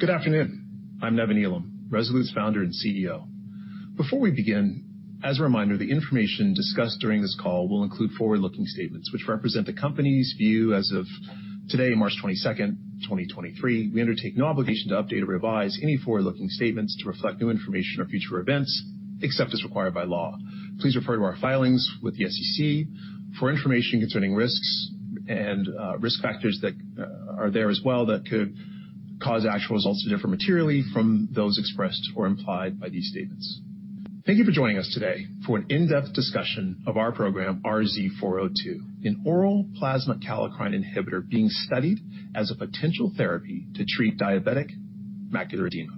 Good afternoon. I'm Nevan Elam, Rezolute's founder and CEO. Before we begin, as a reminder, the information discussed during this call will include forward-looking statements which represent the company's view as of today, March 22nd, 2023. We undertake no obligation to update or revise any forward-looking statements to reflect new information or future events, except as required by law. Please refer to our filings with the SEC for information concerning risks and risk factors that are there as well that could cause actual results to differ materially from those expressed or implied by these statements. Thank you for joining us today for an in-depth discussion of our program, RZ402, an oral plasma kallikrein inhibitor being studied as a potential therapy to treat diabetic macular edema.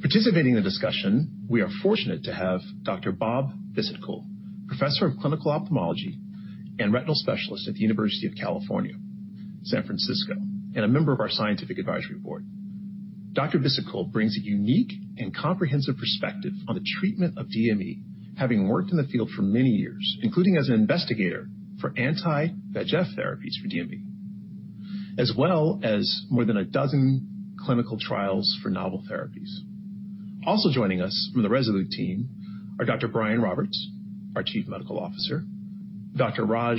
Participating in the discussion, we are fortunate to have Dr. Robert Bhisitkul, professor of clinical ophthalmology and retinal specialist at the University of California, San Francisco, and a member of our scientific advisory board. Dr. Bhisitkul brings a unique and comprehensive perspective on the treatment of DME, having worked in the field for many years, including as an investigator for anti-VEGF therapies for DME, as well as more than a dozen clinical trials for novel therapies. Also joining us from the Rezolute team are Dr. Brian Roberts, our Chief Medical Officer, Dr. Raj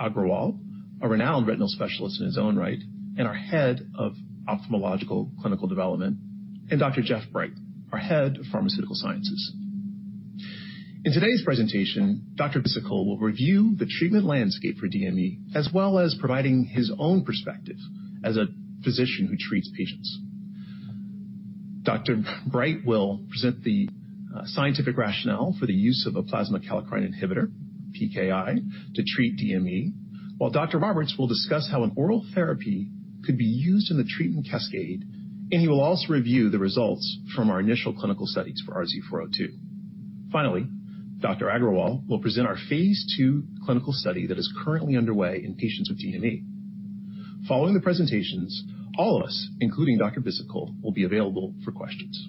Agrawal, a renowned retinal specialist in his own right and our Head of Ophthalmological Clinical Development, and Dr. Jeffrey Breit, our Head of Pharmaceutical Sciences. In today's presentation, Dr. Bhisitkul will review the treatment landscape for DME, as well as providing his own perspective as a physician who treats patients. Breit will present the scientific rationale for the use of a plasma kallikrein inhibitor, PKI, to treat DME, while Dr. Roberts will discuss how an oral therapy could be used in the treatment cascade, and he will also review the results from our initial clinical studies for RZ402. Finally, Dr. Agrawal will present our phase II clinical study that is currently underway in patients with DME. Following the presentations, all of us, including Dr. Bhisitkul, will be available for questions.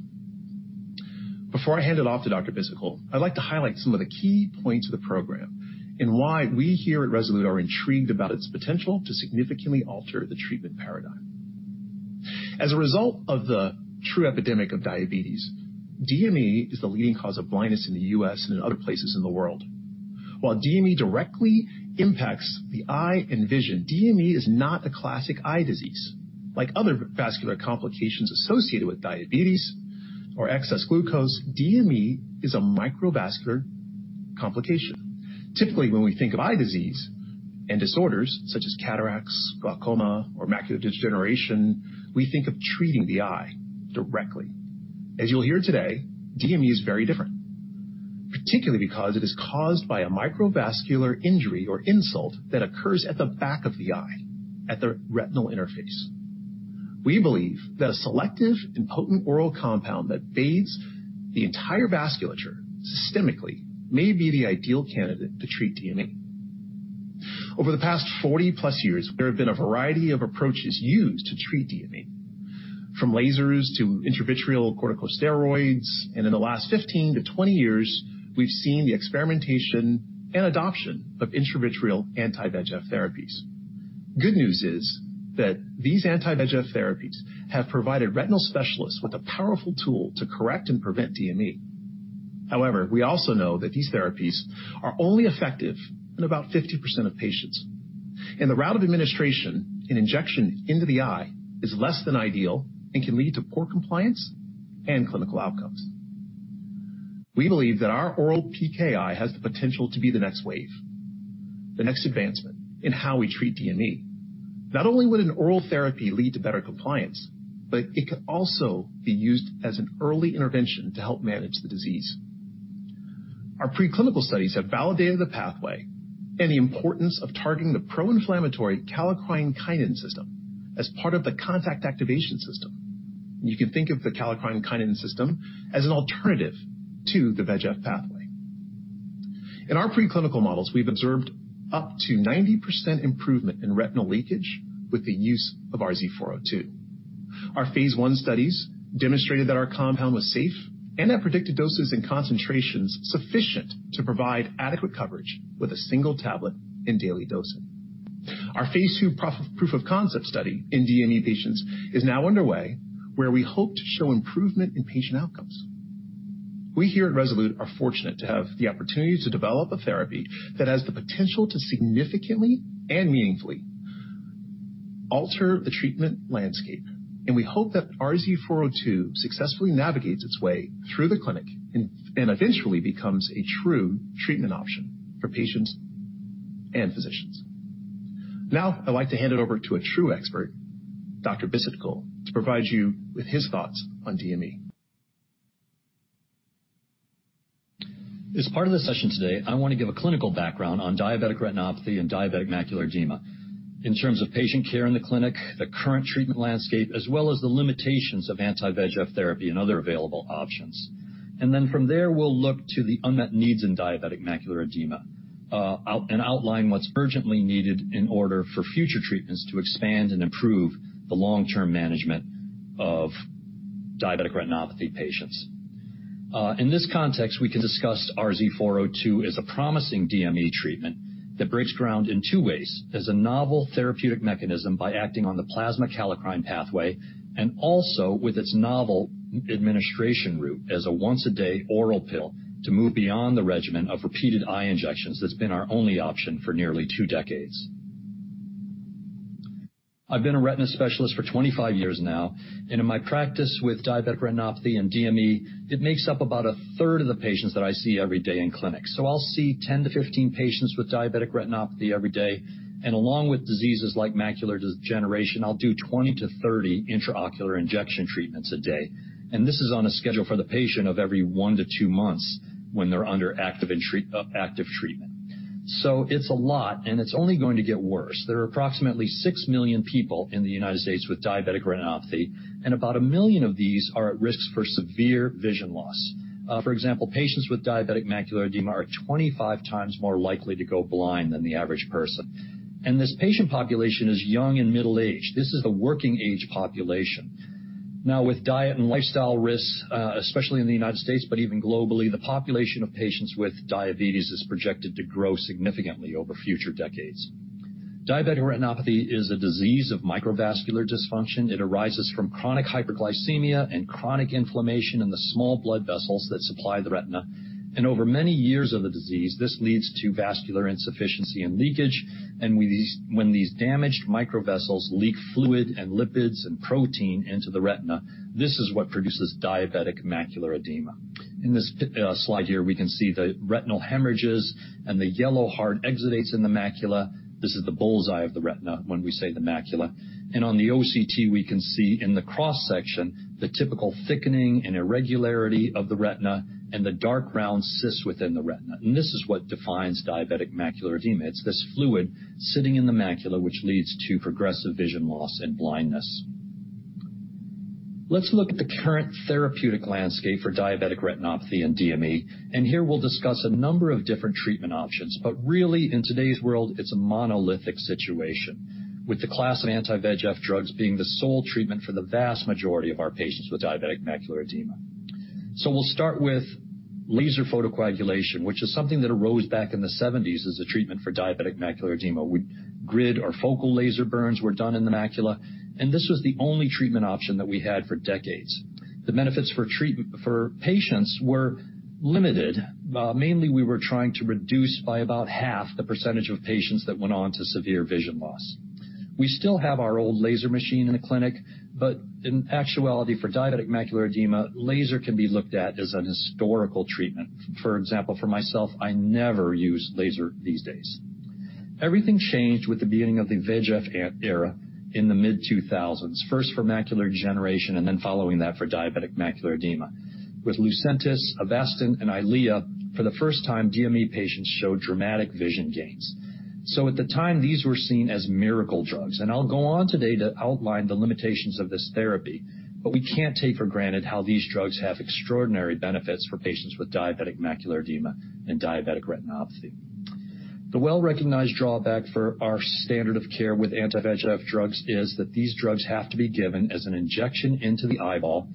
Before I hand it off to Dr. Bhisitkul, I'd like to highlight some of the key points of the program and why we here at Rezolute are intrigued about its potential to significantly alter the treatment paradigm. As a result of the true epidemic of diabetes, DME is the leading cause of blindness in the U.S. and in other places in the world. While DME directly impacts the eye and vision, DME is not a classic eye disease. Like other vascular complications associated with diabetes or excess glucose, DME is a microvascular complication. Typically, when we think of eye disease and disorders such as cataracts, glaucoma, or macular degeneration, we think of treating the eye directly. As you'll hear today, DME is very different, particularly because it is caused by a microvascular injury or insult that occurs at the back of the eye at the retinal interface. We believe that a selective and potent oral compound that bathes the entire vasculature systemically may be the ideal candidate to treat DME. Over the past 40+ years, there have been a variety of approaches used to treat DME, from lasers to intravitreal corticosteroids. In the last 15 to 20 years, we've seen the experimentation and adoption of intravitreal anti-VEGF therapies. Good news is that these anti-VEGF therapies have provided retinal specialists with a powerful tool to correct and prevent DME. However, we also know that these therapies are only effective in about 50% of patients. The route of administration in injection into the eye is less than ideal and can lead to poor compliance and clinical outcomes. We believe that our oral PKI has the potential to be the next wave, the next advancement in how we treat DME. Not only would an oral therapy lead to better compliance, but it could also be used as an early intervention to help manage the disease. Our preclinical studies have validated the pathway and the importance of targeting the pro-inflammatory kallikrein-kinin system as part of the contact activation system. You can think of the kallikrein-kinin system as an alternative to the VEGF pathway. In our preclinical models, we've observed up to 90% improvement in retinal leakage with the use of RZ402. Our phase I studies demonstrated that our compound was safe and at predicted doses and concentrations sufficient to provide adequate coverage with a single tablet in daily dosing. Our phase II proof of concept study in DME patients is now underway, where we hope to show improvement in patient outcomes. We here at Rezolute are fortunate to have the opportunity to develop a therapy that has the potential to significantly and meaningfully alter the treatment landscape. We hope that RZ402 successfully navigates its way through the clinic and eventually becomes a true treatment option for patients and physicians. I'd like to hand it over to a true expert, Dr. Bhisitkul, to provide you with his thoughts on DME. As part of the session today, I want to give a clinical background on diabetic retinopathy and diabetic macular edema in terms of patient care in the clinic, the current treatment landscape, as well as the limitations of anti-VEGF therapy and other available options. From there, we'll look to the unmet needs in diabetic macular edema, and outline what's urgently needed in order for future treatments to expand and improve the long-term management of diabetic retinopathy patients. In this context, we can discuss RZ402 as a promising DME treatment that breaks ground in two ways: as a novel therapeutic mechanism by acting on the plasma kallikrein pathway and also with its novel administration route as a once-a-day oral pill to move beyond the regimen of repeated eye injections that's been our only option for nearly two decades. I've been a retina specialist for 25 years now. In my practice with diabetic retinopathy and DME, it makes up about a third of the patients that I see every day in clinic. I'll see 10-15 patients with diabetic retinopathy every day. Along with diseases like macular degeneration, I'll do 20-30 intraocular injection treatments a day. This is on a schedule for the patient of every one to two months when they're under active treatment. It's a lot, and it's only going to get worse. There are approximately 6 million people in the United States with diabetic retinopathy. About 1 million of these are at risk for severe vision loss. For example, patients with diabetic macular edema are 25x more likely to go blind than the average person. This patient population is young and middle-aged. This is the working age population. Now, with diet and lifestyle risks, especially in the United States, but even globally, the population of patients with diabetes is projected to grow significantly over future decades. Diabetic retinopathy is a disease of microvascular dysfunction. It arises from chronic hyperglycemia and chronic inflammation in the small blood vessels that supply the retina. Over many years of the disease, this leads to vascular insufficiency and leakage. When these damaged micro vessels leak fluid and lipids and protein into the retina, this is what produces diabetic macular edema. In this slide here, we can see the retinal hemorrhages and the yellow hard exudates in the macula. This is the bull's eye of the retina when we say the macula. On the OCT, we can see in the cross-section the typical thickening and irregularity of the retina and the dark brown cysts within the retina. This is what defines diabetic macular edema. It's this fluid sitting in the macula which leads to progressive vision loss and blindness. Let's look at the current therapeutic landscape for diabetic retinopathy and DME. Here we'll discuss a number of different treatment options. Really, in today's world, it's a monolithic situation, with the class of anti-VEGF drugs being the sole treatment for the vast majority of our patients with diabetic macular edema. We'll start with laser photocoagulation, which is something that arose back in the 70s as a treatment for diabetic macular edema. With grid or focal laser burns were done in the macula, and this was the only treatment option that we had for decades. The benefits for patients were limited. Mainly, we were trying to reduce by about half the percentage of patients that went on to severe vision loss. We still have our old laser machine in the clinic, but in actuality, for diabetic macular edema, laser can be looked at as an historical treatment. For example, for myself, I never use laser these days. Everything changed with the beginning of the VEGF era in the mid-2000s, first for macular degeneration and then following that for diabetic macular edema. With Lucentis, Avastin, and Eylea, for the first time, DME patients showed dramatic vision gains. At the time, these were seen as miracle drugs. I'll go on today to outline the limitations of this therapy. We can't take for granted how these drugs have extraordinary benefits for patients with diabetic macular edema and diabetic retinopathy. The well-recognized drawback for our standard of care with anti-VEGF drugs is that these drugs have to be given as an injection into the eyeball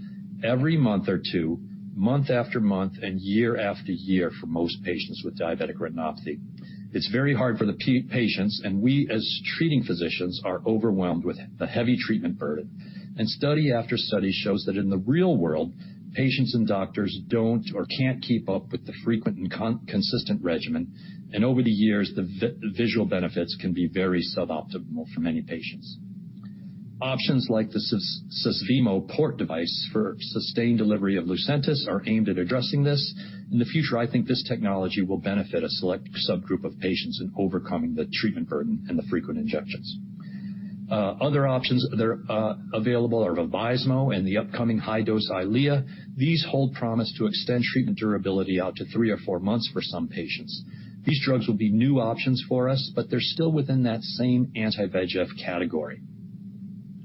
every month or two, month after month and year after year for most patients with diabetic retinopathy. It's very hard for the patients, and we, as treating physicians, are overwhelmed with the heavy treatment burden. Study after study shows that in the real world, patients and doctors don't or can't keep up with the frequent and consistent regimen. Over the years, the visual benefits can be very suboptimal for many patients. Options like the Susvimo port device for sustained delivery of Lucentis are aimed at addressing this. In the future, I think this technology will benefit a select subgroup of patients in overcoming the treatment burden and the frequent injections. Other options that are available are Vabysmo and the upcoming high-dose Eylea. These hold promise to extend treatment durability out to three or four months for some patients. These drugs will be new options for us, but they're still within that same anti-VEGF category.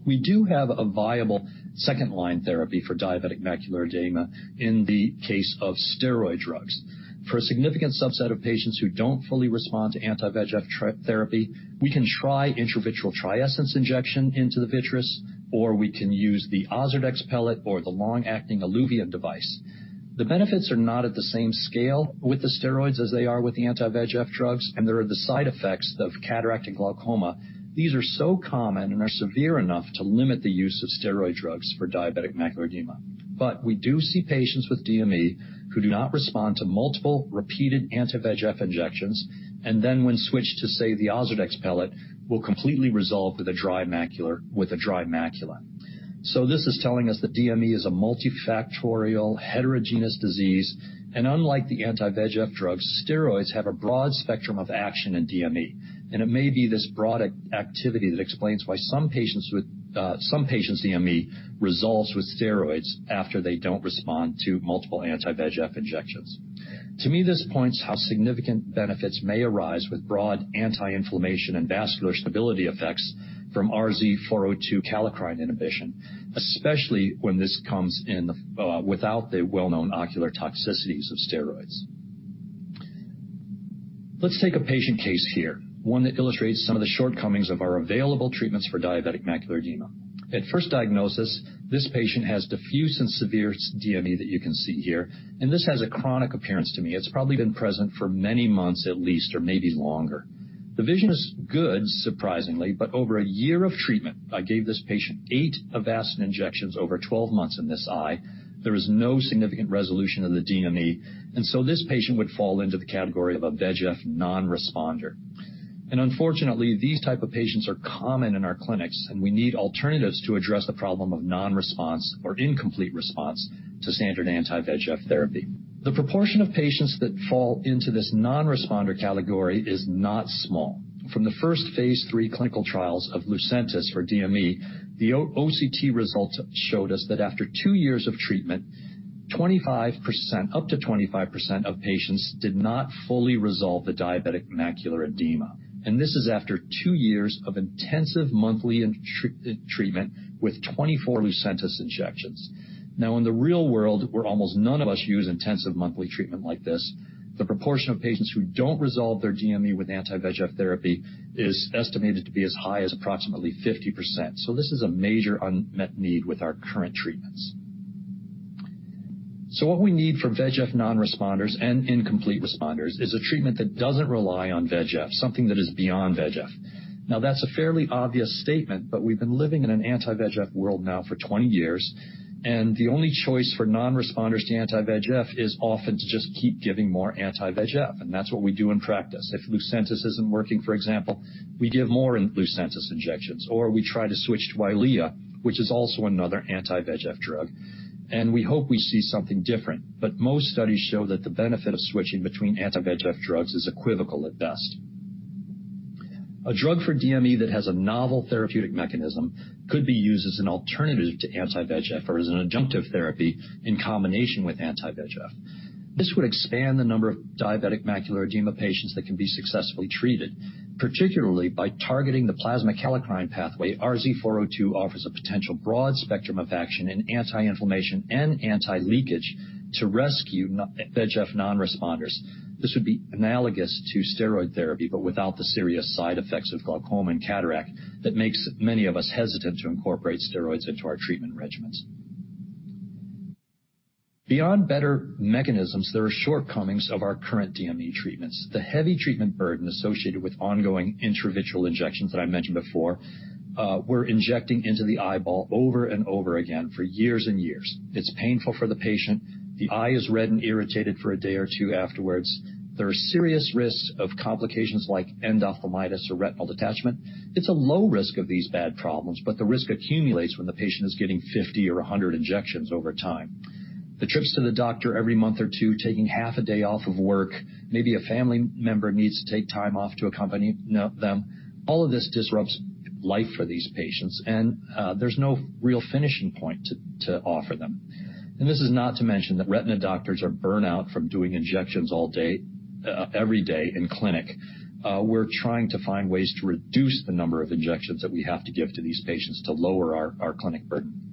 We do have a viable second-line therapy for diabetic macular edema in the case of steroid drugs. For a significant subset of patients who don't fully respond to anti-VEGF therapy, we can try intravitreal Triesence injection into the vitreous, or we can use the Ozurdex pellet or the long-acting Iluvien device. The benefits are not at the same scale with the steroids as they are with the anti-VEGF drugs, and there are the side effects of cataract and glaucoma. These are so common and are severe enough to limit the use of steroid drugs for diabetic macular edema. We do see patients with DME who do not respond to multiple repeated anti-VEGF injections, and then when switched to, say, the Ozurdex pellet, will completely resolve with a dry macula. This is telling us that DME is a multifactorial heterogeneous disease, and unlike the anti-VEGF drugs, steroids have a broad spectrum of action in DME. It may be this broad activity that explains why some patients with some patients' DME resolves with steroids after they don't respond to multiple anti-VEGF injections. To me, this points how significant benefits may arise with broad anti-inflammation and vascular stability effects from RZ402 kallikrein inhibition, especially when this comes without the well-known ocular toxicities of steroids. Let's take a patient case here, one that illustrates some of the shortcomings of our available treatments for diabetic macular edema. At first diagnosis, this patient has diffuse and severe DME that you can see here, and this has a chronic appearance to me. It's probably been present for many months at least, or maybe longer. The vision is good, surprisingly, but over a year of treatment, I gave this patient eight Avastin injections over 12 months in this eye. There is no significant resolution of the DME. This patient would fall into the category of a VEGF non-responder. Unfortunately, these type of patients are common in our clinics, and we need alternatives to address the problem of non-response or incomplete response to standard anti-VEGF therapy. The proportion of patients that fall into this non-responder category is not small. From the first phase III clinical trials of Lucentis for DME, the the OCT results showed us that after two years of treatment, up to 25% of patients did not fully resolve the diabetic macular edema. This is after two years of intensive monthly treatment with 24 Lucentis injections. Now, in the real world, where almost none of us use intensive monthly treatment like this, the proportion of patients who don't resolve their DME with anti-VEGF therapy is estimated to be as high as approximately 50%. This is a major unmet need with our current treatments. What we need for VEGF non-responders and incomplete responders is a treatment that doesn't rely on VEGF, something that is beyond VEGF. That's a fairly obvious statement, but we've been living in an anti-VEGF world now for 20 years, and the only choice for non-responders to anti-VEGF is often to just keep giving more anti-VEGF. That's what we do in practice. If Lucentis isn't working, for example, we give more Lucentis injections, or we try to switch to Eylea, which is also another anti-VEGF drug. We hope we see something different. Most studies show that the benefit of switching between anti-VEGF drugs is equivocal at best. A drug for DME that has a novel therapeutic mechanism could be used as an alternative to anti-VEGF or as an adjunctive therapy in combination with anti-VEGF. This would expand the number of diabetic macular edema patients that can be successfully treated. Particularly, by targeting the plasma kallikrein pathway, RZ402 offers a potential broad spectrum of action in anti-inflammation and anti-leakage to rescue VEGF non-responders. This would be analogous to steroid therapy, but without the serious side effects of glaucoma and cataract that makes many of us hesitant to incorporate steroids into our treatment regimens. Beyond better mechanisms, there are shortcomings of our current DME treatments. The heavy treatment burden associated with ongoing intravitreal injections that I mentioned before, we're injecting into the eyeball over and over again for years and years. It's painful for the patient. The eye is red and irritated for a day or two afterwards. There are serious risks of complications like endophthalmitis or retinal detachment. It's a low risk of these bad problems, but the risk accumulates when the patient is getting 50 or 100 injections over time. The trips to the doctor every month or two, taking half a day off of work, maybe a family member needs to take time off to accompany them. All of this disrupts life for these patients, there's no real finishing point to offer them. This is not to mention that retina doctors are burnt out from doing injections all day every day in clinic. We're trying to find ways to reduce the number of injections that we have to give to these patients to lower our clinic burden.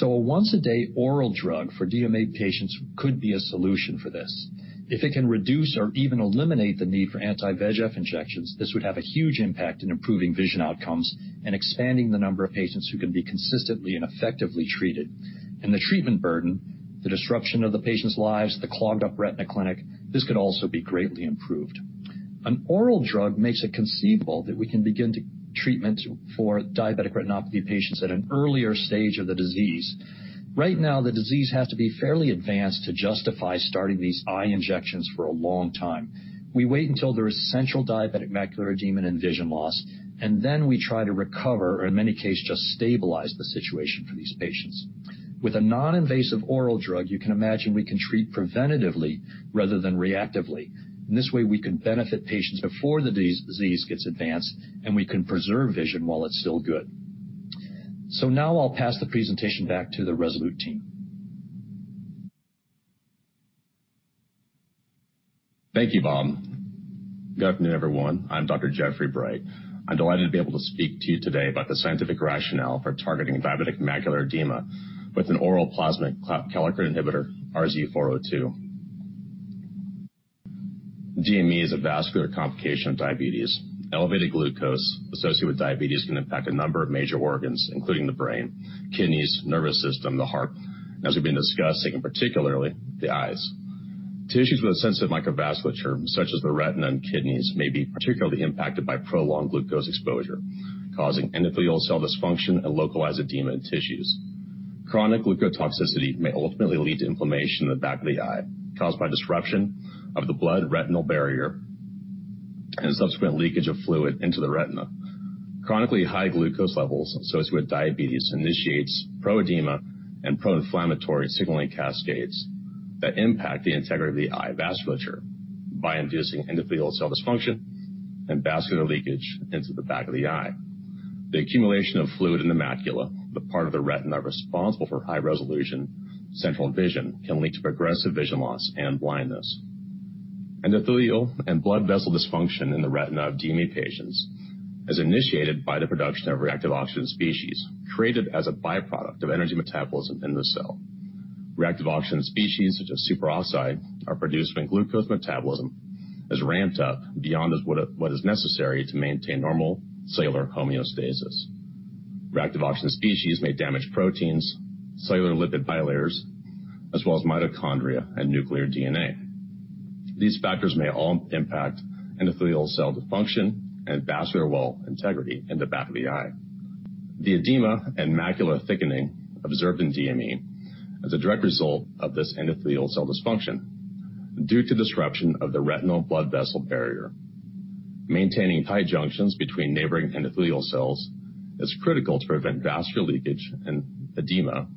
A once-a-day oral drug for DME patients could be a solution for this. If it can reduce or even eliminate the need for anti-VEGF injections, this would have a huge impact in improving vision outcomes and expanding the number of patients who can be consistently and effectively treated. The treatment burden, the disruption of the patients' lives, the clogged up retina clinic, this could also be greatly improved. An oral drug makes it conceivable that we can begin to treatments for diabetic retinopathy patients at an earlier stage of the disease. Right now, the disease has to be fairly advanced to justify starting these eye injections for a long time. We wait until there is central diabetic macular edema and vision loss, and then we try to recover, or in many cases, just stabilize the situation for these patients. With a non-invasive oral drug, you can imagine we can treat preventatively rather than reactively. In this way, we can benefit patients before the disease gets advanced, and we can preserve vision while it's still good. Now I'll pass the presentation back to the Rezolute team. Thank you, Bob. Good afternoon, everyone. I'm Dr. Jeffrey Breit. I'm delighted to be able to speak to you today about the scientific rationale for targeting diabetic macular edema with an oral plasma kallikrein inhibitor, RZ402. DME is a vascular complication of diabetes. Elevated glucose associated with diabetes can impact a number of major organs, including the brain, kidneys, nervous system, the heart, and as we've been discussing, particularly the eyes. Tissues with a sense of microvasculature, such as the retina and kidneys, may be particularly impacted by prolonged glucose exposure, causing endothelial cell dysfunction and localized edema in tissues. Chronic glucotoxicity may ultimately lead to inflammation in the back of the eye, caused by disruption of the blood-retinal barrier and subsequent leakage of fluid into the retina. Chronically high glucose levels associated with diabetes initiates pro-edema and proinflammatory signaling cascades that impact the integrity of the eye vasculature by inducing endothelial cell dysfunction and vascular leakage into the back of the eye. The accumulation of fluid in the macula, the part of the retina responsible for high resolution central vision, can lead to progressive vision loss and blindness. Endothelial and blood vessel dysfunction in the retina of DME patients is initiated by the production of reactive oxygen species, created as a byproduct of energy metabolism in the cell. Reactive oxygen species, such as superoxide, are produced when glucose metabolism is ramped up beyond what is necessary to maintain normal cellular homeostasis. Reactive oxygen species may damage proteins, cellular lipid bilayers, as well as mitochondria and nuclear DNA. These factors may all impact endothelial cell dysfunction and vascular wall integrity in the back of the eye. The edema and macular thickening observed in DME is a direct result of this endothelial cell dysfunction due to disruption of the retinal blood vessel barrier. Maintaining tight junctions between neighboring endothelial cells is critical to prevent vascular leakage and edema,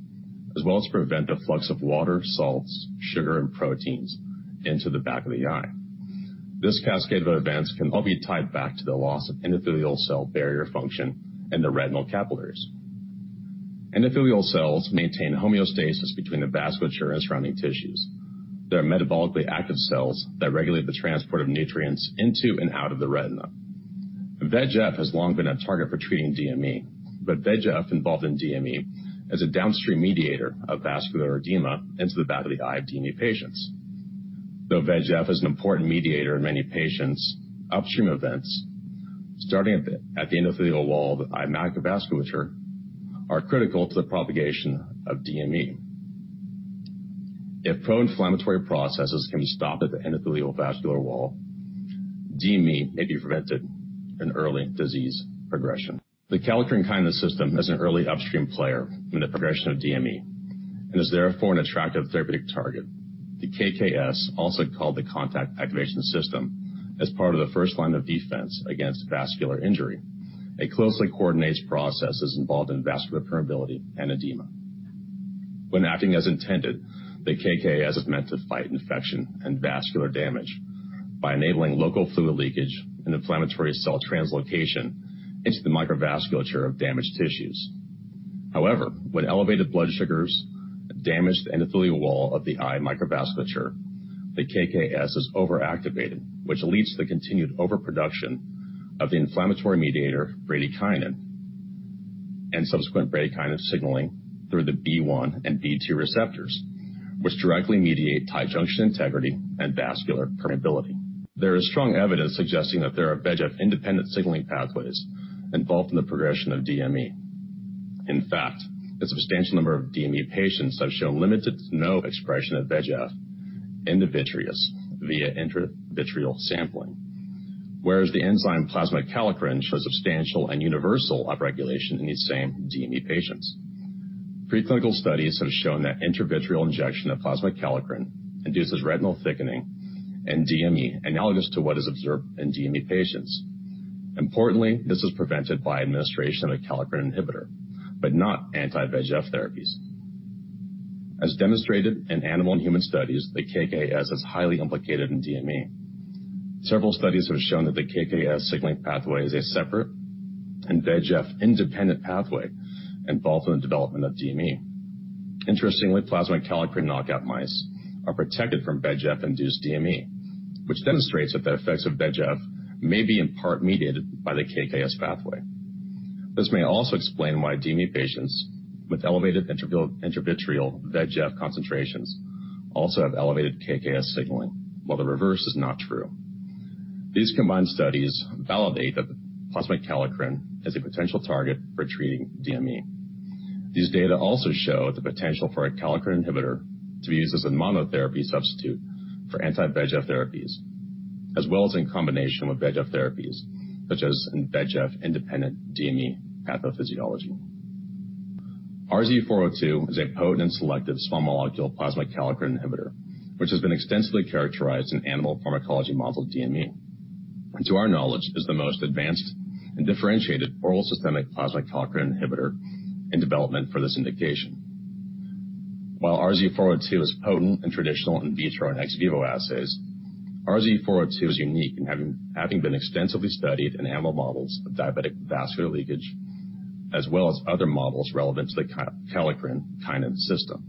as well as prevent the flux of water, salts, sugar, and proteins into the back of the eye. This cascade of events can all be tied back to the loss of endothelial cell barrier function in the retinal capillaries. Endothelial cells maintain homeostasis between the vasculature and surrounding tissues. There are metabolically active cells that regulate the transport of nutrients into and out of the retina. VEGF has long been a target for treating DME, but VEGF involved in DME is a downstream mediator of vascular edema into the back of the eye of DME patients. Though VEGF is an important mediator in many patients, upstream events starting at the endothelial wall of the eye microvasculature are critical to the propagation of DME. If pro-inflammatory processes can be stopped at the endothelial vascular wall, DME may be prevented in early disease progression. The kallikrein-kinin system is an early upstream player in the progression of DME and is therefore an attractive therapeutic target. The KKS, also called the contact activation system, is part of the first line of defense against vascular injury. A closely coordinated process is involved in vascular permeability and edema. When acting as intended, the KKS is meant to fight infection and vascular damage by enabling local fluid leakage and inflammatory cell translocation into the microvasculature of damaged tissues. However, when elevated blood sugars damage the endothelial wall of the eye microvasculature, the KKS is overactivated, which leads to the continued overproduction of the inflammatory mediator bradykinin and subsequent bradykinin signaling through the B1 and B2 receptors, which directly mediate tight junction integrity and vascular permeability. There is strong evidence suggesting that there are VEGF independent signaling pathways involved in the progression of DME. In fact, a substantial number of DME patients have shown limited to no expression of VEGF in the vitreous via intravitreal sampling. Whereas the enzyme plasma kallikrein shows substantial and universal upregulation in these same DME patients. Pre-clinical studies have shown that intravitreal injection of plasma kallikrein induces retinal thickening and DME, analogous to what is observed in DME patients. Importantly, this is prevented by administration of a kallikrein inhibitor, but not anti-VEGF therapies. As demonstrated in animal and human studies, the KKS is highly implicated in DME. Several studies have shown that the KKS signaling pathway is a separate and VEGF-independent pathway involved in the development of DME. Interestingly, plasma kallikrein knockout mice are protected from VEGF-induced DME, which demonstrates that the effects of VEGF may be in part mediated by the KKS pathway. This may also explain why DME patients with elevated intravitreal VEGF concentrations also have elevated KKS signaling, while the reverse is not true. These combined studies validate that plasma kallikrein is a potential target for treating DME. These data also show the potential for a kallikrein inhibitor to be used as a monotherapy substitute for anti-VEGF therapies, as well as in combination with VEGF therapies, such as in VEGF-independent DME pathophysiology. RZ402 is a potent and selective small molecule plasma kallikrein inhibitor, which has been extensively characterized in animal pharmacology model DME. To our knowledge, it's the most advanced and differentiated oral systemic plasma kallikrein inhibitor in development for this indication. While RZ402 is potent and traditional in vitro and ex vivo assays, RZ402 is unique in having been extensively studied in animal models of diabetic vascular leakage, as well as other models relevant to the kallikrein-kinin system.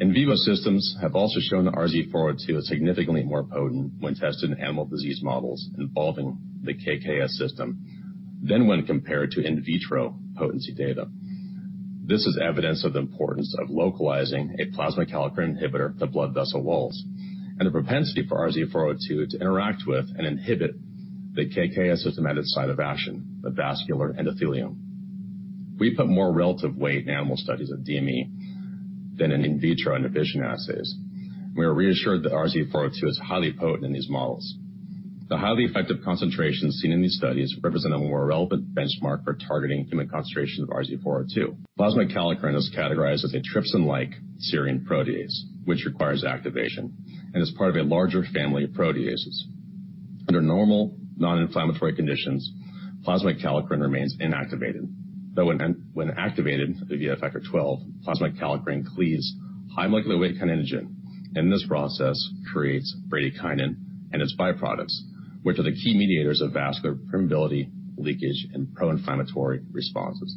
In vivo systems have also shown that RZ402 is significantly more potent when tested in animal disease models involving the KKS system than when compared to in vitro potency data. This is evidence of the importance of localizing a plasma kallikrein inhibitor to blood vessel walls, and the propensity for RZ402 to interact with and inhibit the KKS system at its site of action, the vascular endothelium. We put more relative weight in animal studies of DME than in in vitro and envision assays. We are reassured that RZ402 is highly potent in these models. The highly effective concentrations seen in these studies represent a more relevant benchmark for targeting human concentrations of RZ402. Plasma kallikrein is categorized as a trypsin-like serine protease, which requires activation and is part of a larger family of proteases. Under normal, non-inflammatory conditions, plasma kallikrein remains inactivated, though when activated via factor XII, plasma kallikrein cleaves high molecular weight kininogen. This process creates bradykinin and its byproducts, which are the key mediators of vascular permeability, leakage, and pro-inflammatory responses.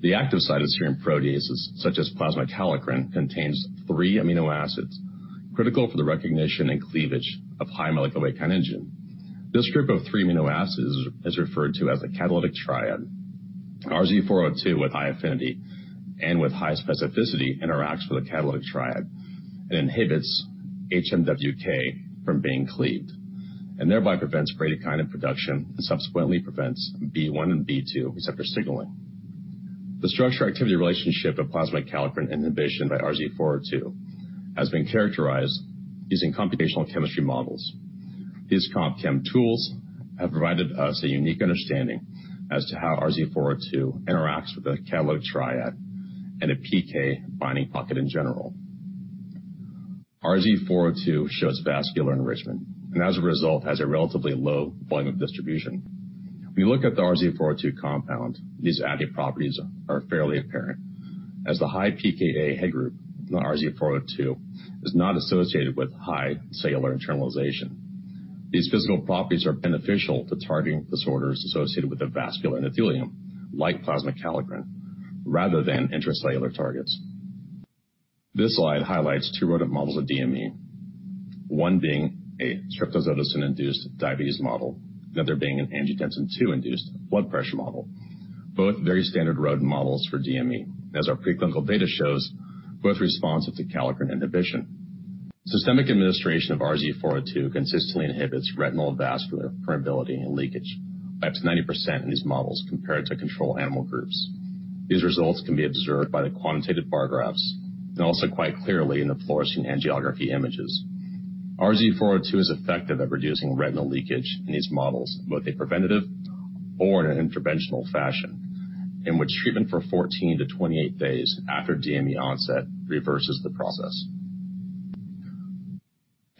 The active site of serine proteases such as plasma kallikrein contains three amino acids critical for the recognition and cleavage of high molecular weight kininogen. This group of three amino acids is referred to as a catalytic triad. RZ402 with high affinity and with high specificity interacts with a catalytic triad and inhibits HMWK from being cleaved, and thereby prevents bradykinin production and subsequently prevents B1 and B2 receptor signaling. The structure activity relationship of plasma kallikrein inhibition by RZ402 has been characterized using computational chemistry models. These CompChem tools have provided us a unique understanding as to how RZ402 interacts with the catalytic triad and a PK binding pocket in general. RZ402 shows vascular enrichment and as a result, has a relatively low volume of distribution. If you look at the RZ402 compound, these added properties are fairly apparent as the high PKI head group in RZ402 is not associated with high cellular internalization. These physical properties are beneficial to targeting disorders associated with the vascular endothelium, like plasma kallikrein rather than intracellular targets. This slide highlights two rodent models of DME, one being a streptozotocin-induced diabetes model, another being an angiotensin II-induced blood pressure model, both very standard rodent models for DME. As our preclinical data shows, both responsive to kallikrein inhibition. Systemic administration of RZ402 consistently inhibits retinal vascular permeability and leakage by up to 90% in these models compared to control animal groups. These results can be observed by the quantitative bar graphs and also quite clearly in the fluorescein angiography images. RZ402 is effective at reducing retinal leakage in these models, both in preventative or in an interventional fashion, in which treatment for 14-28 days after DME onset reverses the process.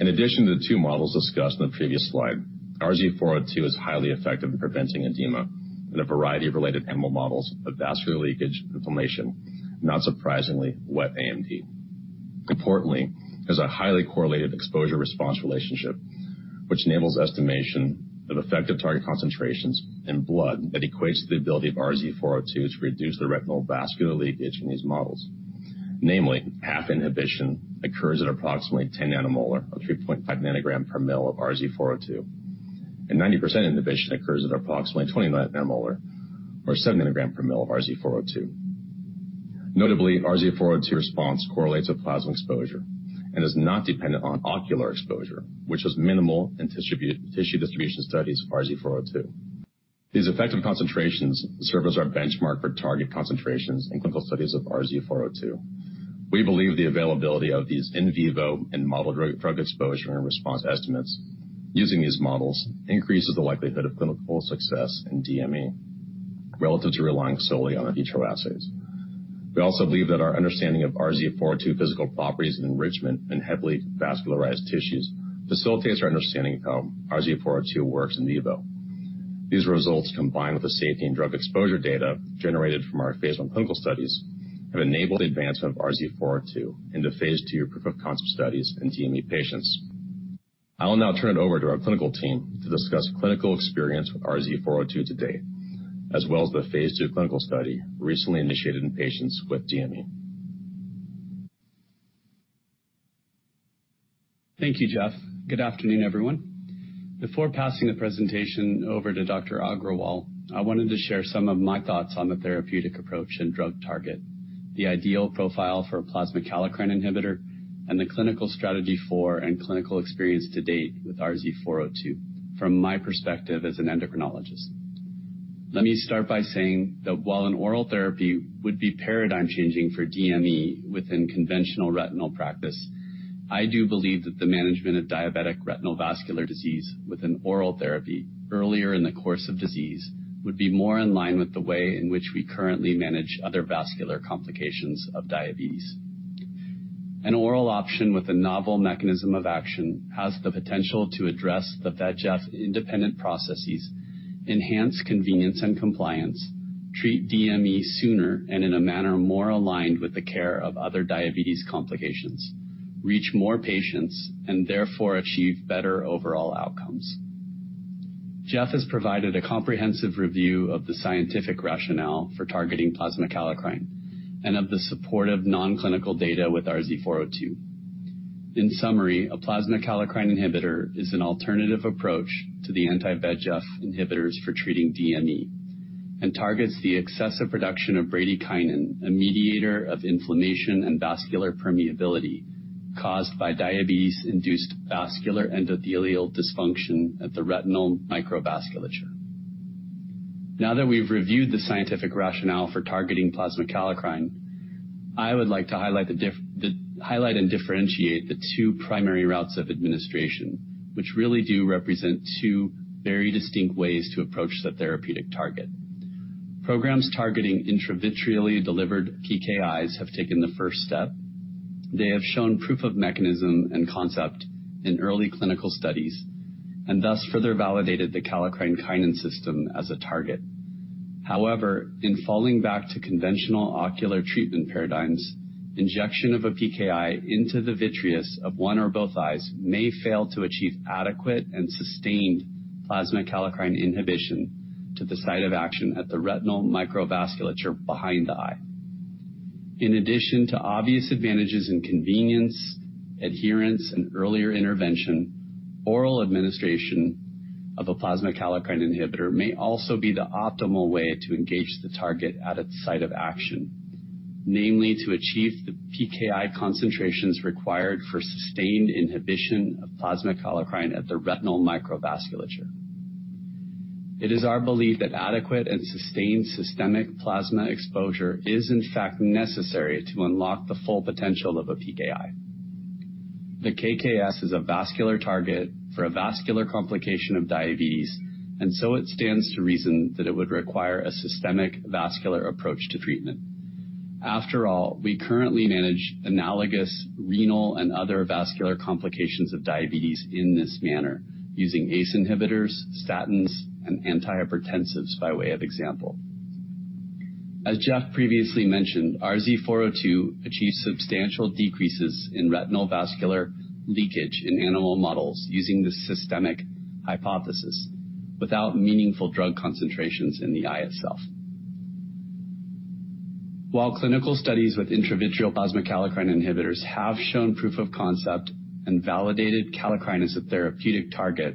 In addition to the two models discussed in the previous slide, RZ402 is highly effective in preventing edema in a variety of related animal models of vascular leakage, inflammation, not surprisingly, wet AMD. Importantly, there's a highly correlated exposure-response relationship, which enables estimation of effective target concentrations in blood that equates to the ability of RZ402 to reduce the retinal vascular leakage in these models. Namely, half inhibition occurs at approximately 10 nanomolar or 3.5 nanogram per ml of RZ402. Ninety percent inhibition occurs at approximately 20 nanomolar or 7 nanogram per ml of RZ402. RZ402 response correlates with plasma exposure and is not dependent on ocular exposure, which is minimal in tissue distribution studies of RZ402. These effective concentrations serve as our benchmark for target concentrations in clinical studies of RZ402. We believe the availability of these in vivo and modeled drug exposure and response estimates using these models increases the likelihood of clinical success in DME relative to relying solely on in vitro assays. We also believe that our understanding of RZ402 physical properties and enrichment in heavily vascularized tissues facilitates our understanding of how RZ402 works in vivo. These results, combined with the safety and drug exposure data generated from our phase I clinical studies, have enabled the advancement of RZ402 into phase II proof-of-concept studies in DME patients. I will now turn it over to our clinical team to discuss clinical experience with RZ402 to date, as well as the phase II clinical study recently initiated in patients with DME. Thank you, Jeffrey Breit. Good afternoon, everyone. Before passing the presentation over to Dr. Raj Agrawal, I wanted to share some of my thoughts on the therapeutic approach and drug target, the ideal profile for a plasma kallikrein inhibitor, and the clinical strategy for and clinical experience to date with RZ402 from my perspective as an endocrinologist. Let me start by saying that while an oral therapy would be paradigm changing for DME within conventional retinal practice, I do believe that the management of diabetic retinal vascular disease with an oral therapy earlier in the course of disease would be more in line with the way in which we currently manage other vascular complications of diabetes. An oral option with a novel mechanism of action has the potential to address the VEGF-independent processes, enhance convenience and compliance, treat DME sooner and in a manner more aligned with the care of other diabetes complications, reach more patients, and therefore achieve better overall outcomes. Jeff has provided a comprehensive review of the scientific rationale for targeting plasma kallikrein and of the supportive non-clinical data with RZ402. In summary, a plasma kallikrein inhibitor is an alternative approach to the anti-VEGF inhibitors for treating DME and targets the excessive production of bradykinin, a mediator of inflammation and vascular permeability caused by diabetes-induced vascular endothelial dysfunction at the retinal microvasculature. Now that we've reviewed the scientific rationale for targeting plasma kallikrein, I would like to Highlight and differentiate the two primary routes of administration, which really do represent two very distinct ways to approach the therapeutic target. Programs targeting intravitreally delivered PKIs have taken the first step. They have shown proof of mechanism and concept in early clinical studies, thus further validated the kallikrein-kinin system as a target. However, in falling back to conventional ocular treatment paradigms, injection of a PKI into the vitreous of one or both eyes may fail to achieve adequate and sustained plasma kallikrein inhibition to the site of action at the retinal microvasculature behind the eye. In addition to obvious advantages in convenience, adherence, and earlier intervention, oral administration of a plasma kallikrein inhibitor may also be the optimal way to engage the target at its site of action, namely to achieve the PKI concentrations required for sustained inhibition of plasma kallikrein at the retinal microvasculature. It is our belief that adequate and sustained systemic plasma exposure is in fact necessary to unlock the full potential of a PKI. The KKS is a vascular target for a vascular complication of diabetes. It stands to reason that it would require a systemic vascular approach to treatment. After all, we currently manage analogous renal and other vascular complications of diabetes in this manner, using ACE inhibitors, statins, and antihypertensives by way of example. As Jeff previously mentioned, RZ402 achieves substantial decreases in retinal vascular leakage in animal models using this systemic hypothesis without meaningful drug concentrations in the eye itself. While clinical studies with intravitreal plasma kallikrein inhibitors have shown proof of concept and validated kallikrein as a therapeutic target,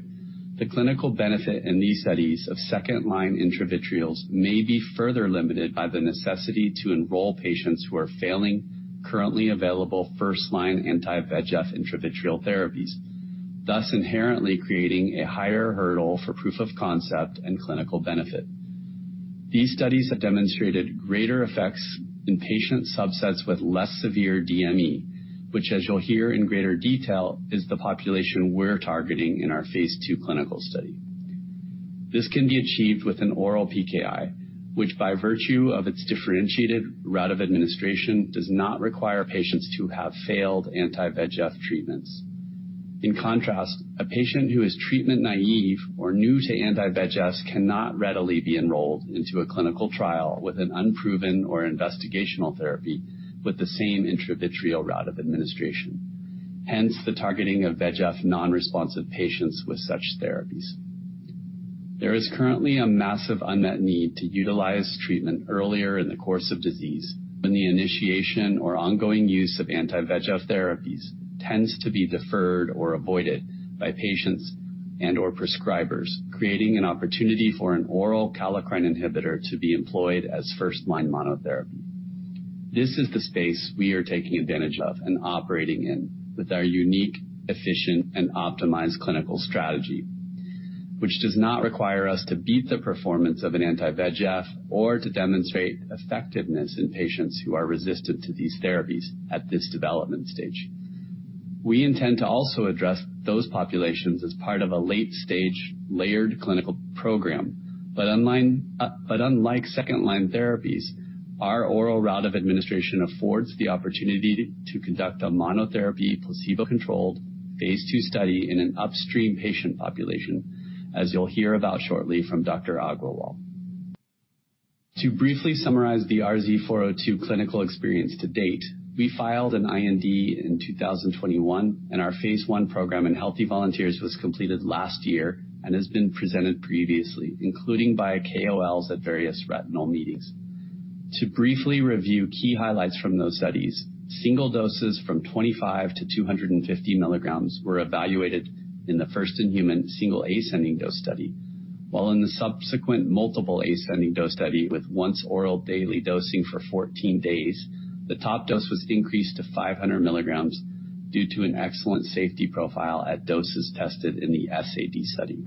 the clinical benefit in these studies of second-line intravitreals may be further limited by the necessity to enroll patients who are failing currently available first-line anti-VEGF intravitreal therapies, thus inherently creating a higher hurdle for proof of concept and clinical benefit. These studies have demonstrated greater effects in patient subsets with less severe DME, which, as you'll hear in greater detail, is the population we're targeting in our phase II clinical study. This can be achieved with an oral PKI, which by virtue of its differentiated route of administration, does not require patients to have failed anti-VEGF treatments. In contrast, a patient who is treatment-naive or new to anti-VEGFs cannot readily be enrolled into a clinical trial with an unproven or investigational therapy with the same intravitreal route of administration. Hence, the targeting of VEGF non-responsive patients with such therapies. There is currently a massive unmet need to utilize treatment earlier in the course of disease when the initiation or ongoing use of anti-VEGF therapies tends to be deferred or avoided by patients and/or prescribers, creating an opportunity for an oral kallikrein inhibitor to be employed as first-line monotherapy. This is the space we are taking advantage of and operating in with our unique, efficient, and optimized clinical strategy, which does not require us to beat the performance of an anti-VEGF or to demonstrate effectiveness in patients who are resistant to these therapies at this development stage. We intend to also address those populations as part of a late-stage layered clinical program. Unlike second-line therapies, our oral route of administration affords the opportunity to conduct a monotherapy placebo-controlled phase II study in an upstream patient population, as you'll hear about shortly from Dr. Agrawal. To briefly summarize the RZ402 clinical experience to date, we filed an IND in 2021, and our phase I program in healthy volunteers was completed last year and has been presented previously, including by KOLs at various retinal meetings. To briefly review key highlights from those studies, single doses from 25 to 250 mg were evaluated in the first-in-human single ascending dose study. While in the subsequent multiple ascending dose study with once-oral daily dosing for 14 days, the top dose was increased to 500 mg due to an excellent safety profile at doses tested in the SAD study.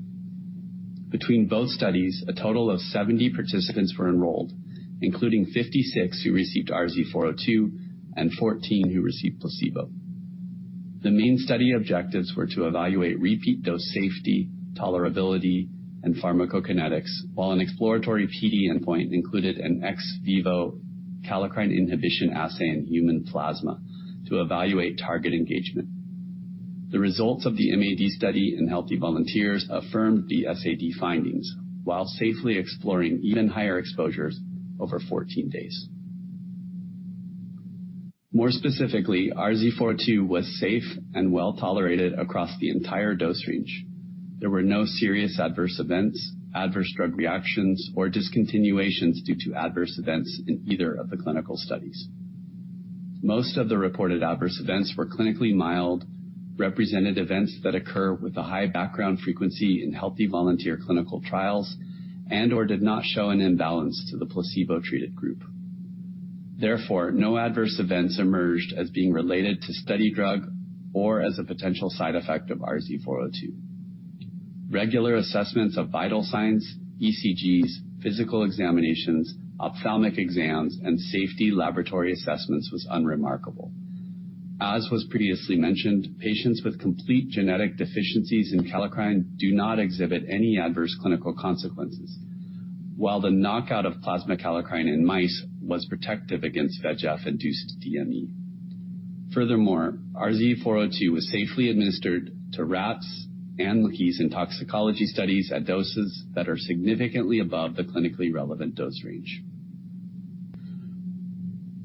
Between both studies, a total of 70 participants were enrolled, including 56 who received RZ402 and 14 who received placebo. The main study objectives were to evaluate repeat dose safety, tolerability, and pharmacokinetics. While an exploratory PD endpoint included an ex vivo kallikrein inhibition assay in human plasma to evaluate target engagement. The results of the MAD study in healthy volunteers affirmed the SAD findings while safely exploring even higher exposures over 14 days. More specifically, RZ402 was safe and well-tolerated across the entire dose range. There were no serious adverse events, adverse drug reactions, or discontinuations due to adverse events in either of the clinical studies. Most of the reported adverse events were clinically mild, represented events that occur with a high background frequency in healthy volunteer clinical trials and/or did not show an imbalance to the placebo-treated group. Therefore, no adverse events emerged as being related to study drug or as a potential side effect of RZ402. Regular assessments of vital signs, ECGs, physical examinations, ophthalmic exams, and safety laboratory assessments was unremarkable. As was previously mentioned, patients with complete genetic deficiencies in kallikrein do not exhibit any adverse clinical consequences. While the knockout of plasma kallikrein in mice was protective against VEGF-induced DME. Furthermore, RZ402 was safely administered to rats and monkeys in toxicology studies at doses that are significantly above the clinically relevant dose range.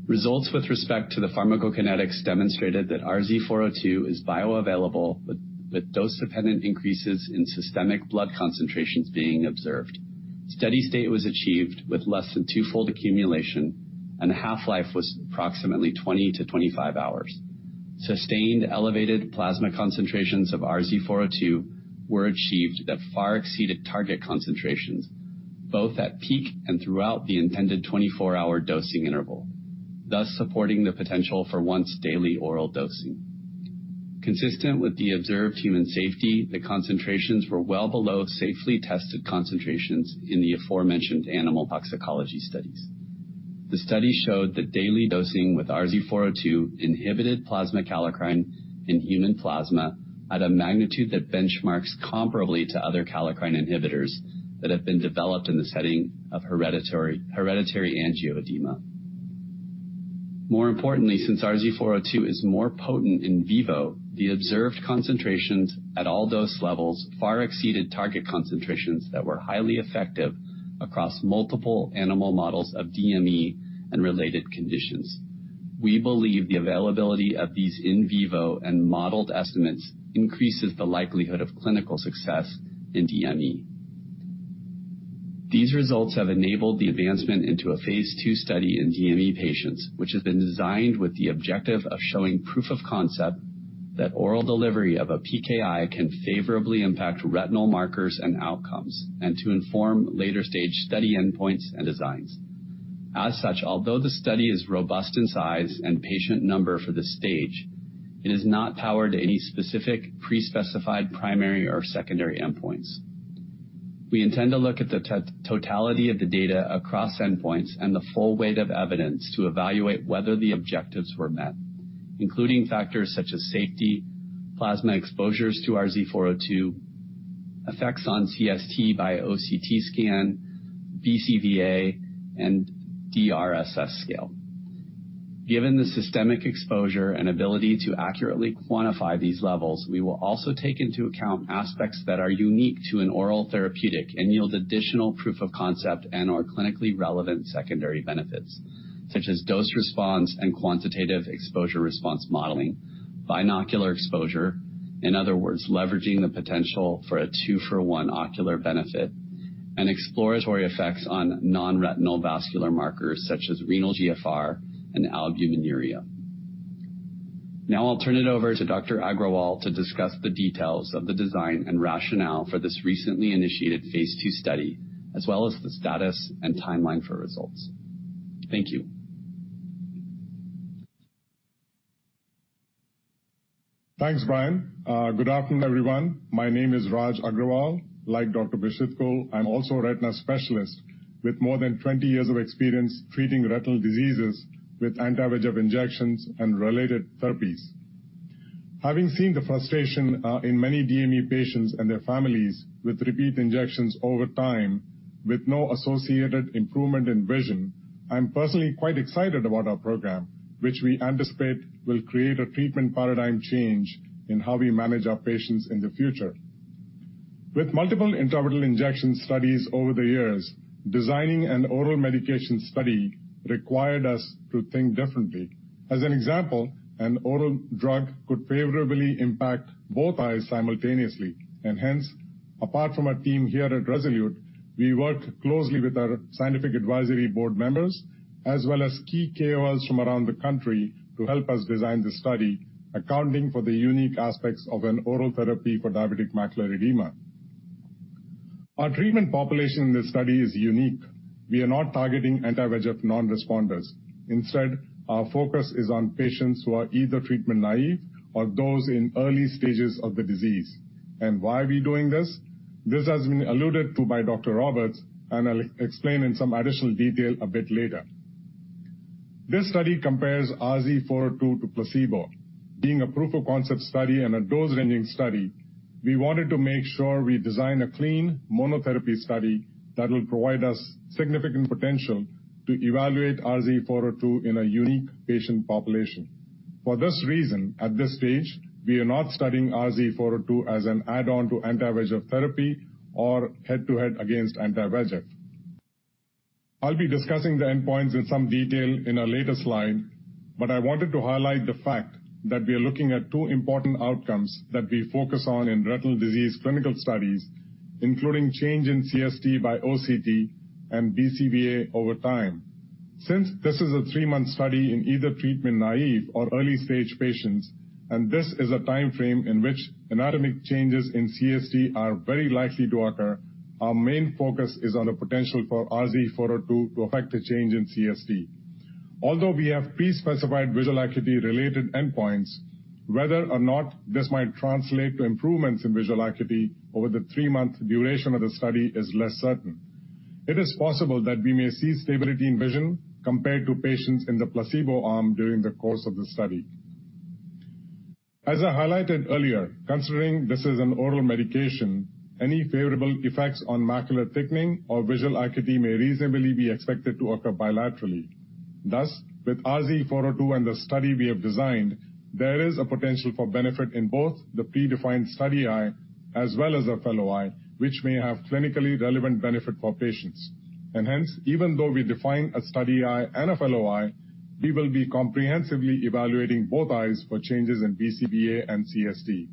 Results with respect to the pharmacokinetics demonstrated that RZ402 is bioavailable with dose-dependent increases in systemic blood concentrations being observed. Steady state was achieved with less than twofold accumulation, and the half-life was approximately 20 to 25 hours. Sustained elevated plasma concentrations of RZ402 were achieved that far exceeded target concentrations, both at peak and throughout the intended 24-hour dosing interval, thus supporting the potential for once daily oral dosing. Consistent with the observed human safety, the concentrations were well below safely tested concentrations in the aforementioned animal toxicology studies. The study showed that daily dosing with RZ402 inhibited plasma kallikrein in human plasma at a magnitude that benchmarks comparably to other kallikrein inhibitors that have been developed in the setting of hereditary angioedema. More importantly, since RZ402 is more potent in vivo, the observed concentrations at all dose levels far exceeded target concentrations that were highly effective across multiple animal models of DME and related conditions. We believe the availability of these in vivo and modeled estimates increases the likelihood of clinical success in DME. These results have enabled the advancement into a phase II study in DME patients, which has been designed with the objective of showing proof of concept that oral delivery of a PKI can favorably impact retinal markers and outcomes, and to inform later stage study endpoints and designs. As such, although the study is robust in size and patient number for this stage, it is not powered to any specific pre-specified primary or secondary endpoints. We intend to look at the totality of the data across endpoints and the full weight of evidence to evaluate whether the objectives were met, including factors such as safety, plasma exposures to RZ402, effects on CST by OCT scan, BCVA, and DRSS scale. Given the systemic exposure and ability to accurately quantify these levels, we will also take into account aspects that are unique to an oral therapeutic and yield additional proof of concept and or clinically relevant secondary benefits, such as dose response and quantitative exposure response modeling, binocular exposure, in other words, leveraging the potential for a two-for-one ocular benefit, and exploratory effects on non-retinal vascular markers such as renal GFR and albuminuria. I'll turn it over to Dr. Agrawal to discuss the details of the design and rationale for this recently initiated phase II study, as well as the status and timeline for results. Thank you. Thanks, Brian. Good afternoon, everyone. My name is Raj Agrawal. Like Dr. Bhisitkul, I'm also a retina specialist with more than 20 years of experience treating retinal diseases with anti-VEGF injections and related therapies. Having seen the frustration in many DME patients and their families with repeat injections over time with no associated improvement in vision, I am personally quite excited about our program, which we anticipate will create a treatment paradigm change in how we manage our patients in the future. With multiple intravitreal injection studies over the years, designing an oral medication study required us to think differently. As an example, an oral drug could favorably impact both eyes simultaneously. Hence, apart from our team here at Rezolute, we work closely with our scientific advisory board members as well as key KOLs from around the country to help us design the study, accounting for the unique aspects of an oral therapy for diabetic macular edema. Our treatment population in this study is unique. We are not targeting anti-VEGF non-responders. Instead, our focus is on patients who are either treatment naive or those in early stages of the disease. Why are we doing this? This has been alluded to by Dr. Roberts, and I'll explain in some additional detail a bit later. This study compares RZ402 to placebo. Being a proof of concept study and a dose-ranging study, we wanted to make sure we design a clean monotherapy study that will provide us significant potential to evaluate RZ402 in a unique patient population. For this reason, at this stage, we are not studying RZ402 as an add-on to anti-VEGF therapy or head-to-head against anti-VEGF. I'll be discussing the endpoints in some detail in a later slide, but I wanted to highlight the fact that we are looking at two important outcomes that we focus on in retinal disease clinical studies, including change in CST by OCT and BCVA over time. Since this is a three-month study in either treatment-naive or early-stage patients, and this is a time frame in which anatomic changes in CST are very likely to occur, our main focus is on the potential for RZ402 to affect a change in CST. Although we have pre-specified visual acuity-related endpoints, whether or not this might translate to improvements in visual acuity over the three-month duration of the study is less certain. It is possible that we may see stability in vision compared to patients in the placebo arm during the course of the study. As I highlighted earlier, considering this is an oral medication, any favorable effects on macular thickening or visual acuity may reasonably be expected to occur bilaterally. Thus, with RZ402 and the study we have designed, there is a potential for benefit in both the predefined study eye as well as a fellow eye, which may have clinically relevant benefit for patients. Hence, even though we define a study eye and a fellow eye, we will be comprehensively evaluating both eyes for changes in BCVA and CST.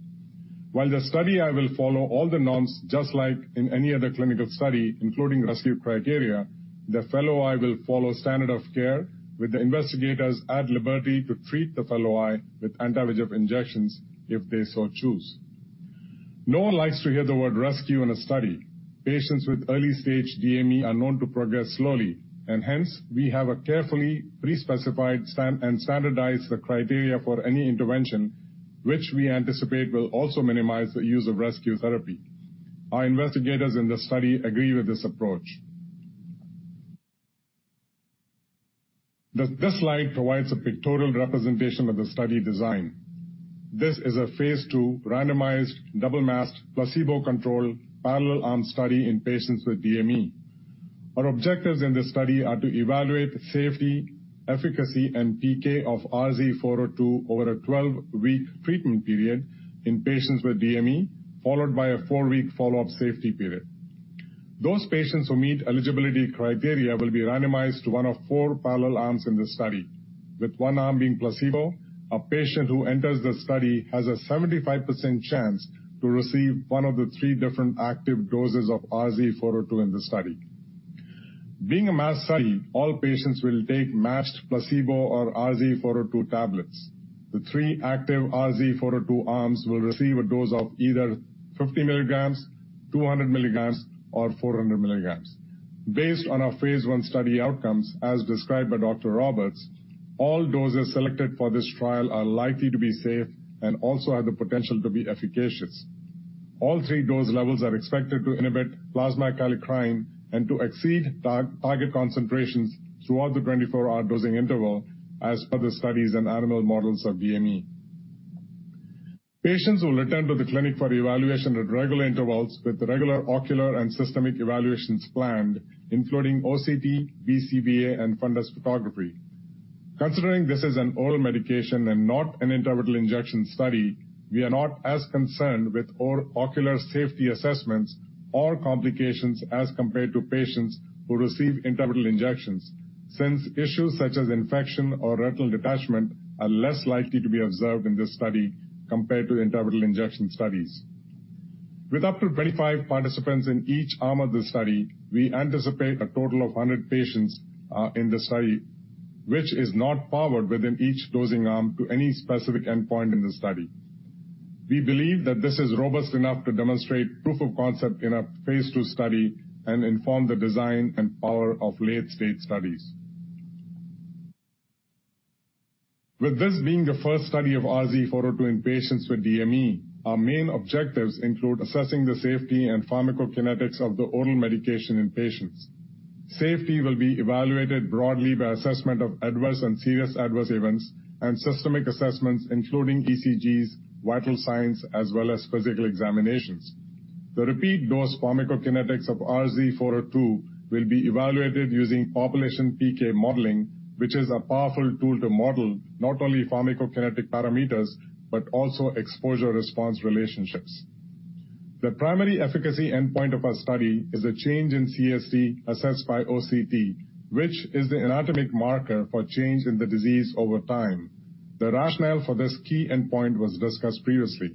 While the study eye will follow all the norms, just like in any other clinical study, including rescue criteria, the fellow eye will follow standard of care with the investigators at liberty to treat the fellow eye with anti-VEGF injections if they so choose. No one likes to hear the word rescue in a study. Patients with early-stage DME are known to progress slowly and hence we have a carefully pre-specified and standardized the criteria for any intervention, which we anticipate will also minimize the use of rescue therapy. Our investigators in the study agree with this approach. This slide provides a pictorial representation of the study design. This is a phase II randomized double masked placebo-controlled parallel arm study in patients with DME. Our objectives in this study are to evaluate safety, efficacy and PK of RZ402 over a 12-week treatment period in patients with DME, followed by a 4-week follow-up safety period. Those patients who meet eligibility criteria will be randomized to one of four parallel arms in the study, with one arm being placebo. A patient who enters the study has a 75% chance to receive one of the three different active doses of RZ402 in the study. Being a masked study, all patients will take matched placebo or RZ402 tablets. The three active RZ402 arms will receive a dose of either 50 mg, 200 mg, or 400 mg. Based on our phase I study outcomes as described by Dr. Roberts. All doses selected for this trial are likely to be safe and also have the potential to be efficacious. All three dose levels are expected to inhibit plasma kallikrein and to exceed target concentrations throughout the 24-hour dosing interval, as per the studies and animal models of DME. Patients will return to the clinic for evaluation at regular intervals with regular ocular and systemic evaluations planned, including OCT, BCVA and fundus photography. Considering this is an oral medication and not an intravitreal injection study, we are not as concerned with ocular safety assessments or complications as compared to patients who receive intravitreal injections. Since issues such as infection or retinal detachment are less likely to be observed in this study compared to intravitreal injection studies. With up to 25 participants in each arm of the study, we anticipate a total of 100 patients, in the study, which is not powered within each dosing arm to any specific endpoint in the study. We believe that this is robust enough to demonstrate proof of concept in a phase II study and inform the design and power of late-stage studies. With this being the first study of RZ402 in patients with DME, our main objectives include assessing the safety and pharmacokinetics of the oral medication in patients. Safety will be evaluated broadly by assessment of adverse and serious adverse events and systemic assessments including ECGs, vital signs, as well as physical examinations. The repeat dose pharmacokinetics of RZ402 will be evaluated using population PK modeling, which is a powerful tool to model not only pharmacokinetic parameters, but also exposure-response relationships. The primary efficacy endpoint of our study is a change in CST assessed by OCT, which is the anatomic marker for change in the disease over time. The rationale for this key endpoint was discussed previously.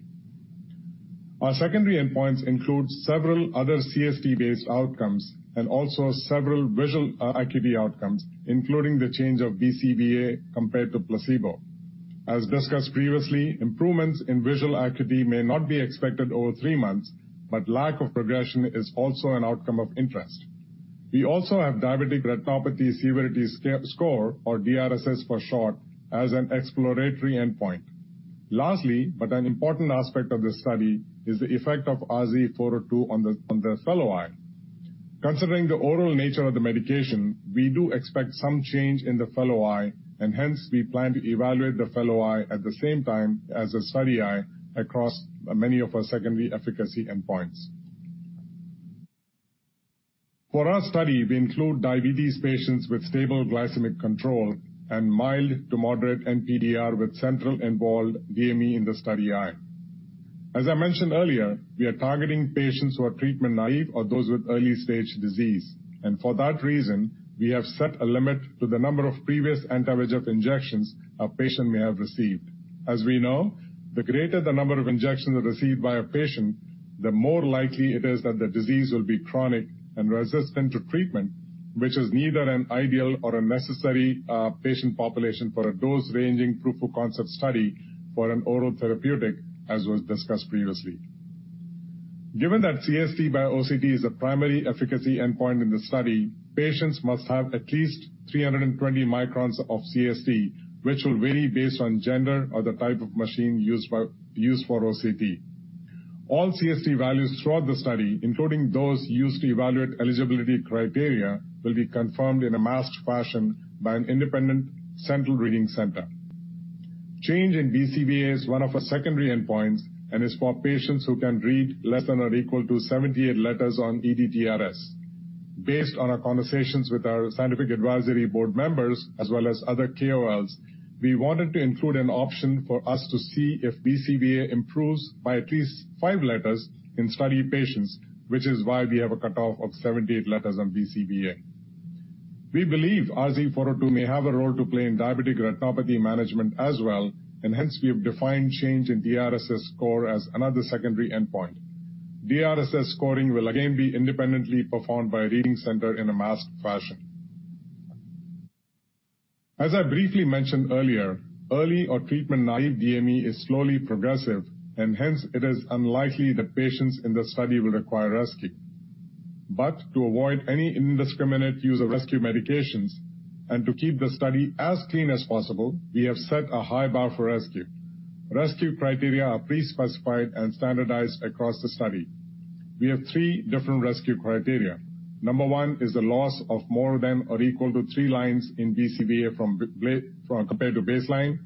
Our secondary endpoints include several other CST-based outcomes and also several visual acuity outcomes, including the change of BCVA compared to placebo. As discussed previously, improvements in visual acuity may not be expected over three months, but lack of progression is also an outcome of interest. We also have diabetic retinopathy severity score, or DRSS for short, as an exploratory endpoint. Lastly, an important aspect of this study is the effect of RZ402 on the fellow eye. Considering the oral nature of the medication, we do expect some change in the fellow eye, and hence we plan to evaluate the fellow eye at the same time as the study eye across many of our secondary efficacy endpoints. For our study, we include diabetes patients with stable glycemic control and mild to moderate NPDR with central involved DME in the study eye. As I mentioned earlier, we are targeting patients who are treatment naive or those with early stage disease. For that reason we have set a limit to the number of previous anti-VEGF injections a patient may have received. As we know, the greater the number of injections received by a patient, the more likely it is that the disease will be chronic and resistant to treatment, which is neither an ideal or a necessary patient population for a dose-ranging proof of concept study for an oral therapeutic, as was discussed previously. Given that CST by OCT is a primary efficacy endpoint in the study, patients must have at least 320 microns of CST, which will vary based on gender or the type of machine used for OCT. All CST values throughout the study, including those used to evaluate eligibility criteria, will be confirmed in a masked fashion by an independent central reading center. Change in BCVA is one of our secondary endpoints and is for patients who can read less than or equal to 78 letters on ETDRS. Based on our conversations with our scientific advisory board members as well as other KOLs, we wanted to include an option for us to see if BCVA improves by at least five letters in study patients, which is why we have a cutoff of 78 letters on BCVA. We believe RZ402 may have a role to play in diabetic retinopathy management as well, hence we have defined change in DRSS score as another secondary endpoint. DRSS scoring will again be independently performed by a reading center in a masked fashion. As I briefly mentioned earlier, early or treatment-naive DME is slowly progressive, hence it is unlikely that patients in the study will require rescue. To avoid any indiscriminate use of rescue medications and to keep the study as clean as possible, we have set a high bar for rescue. Rescue criteria are pre-specified and standardized across the study. We have three different rescue criteria. Number one is a loss of more than or equal to three lines in BCVA from compared to baseline.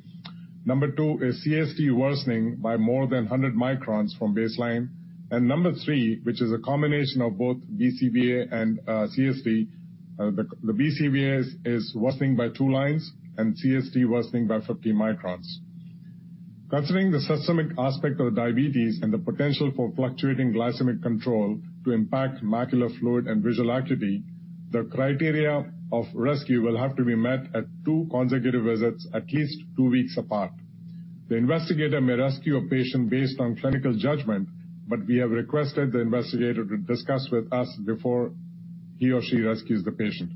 Number two is CST worsening by more than 100 microns from baseline. Number three, which is a combination of both BCVA and CST, the BCVA is worsening by two lines and CST worsening by 50 microns. Considering the systemic aspect of diabetes and the potential for fluctuating glycemic control to impact macular fluid and visual acuity, the criteria of rescue will have to be met at two consecutive visits, at least two weeks apart. The investigator may rescue a patient based on clinical judgment, but we have requested the investigator to discuss with us before he or she rescues the patient.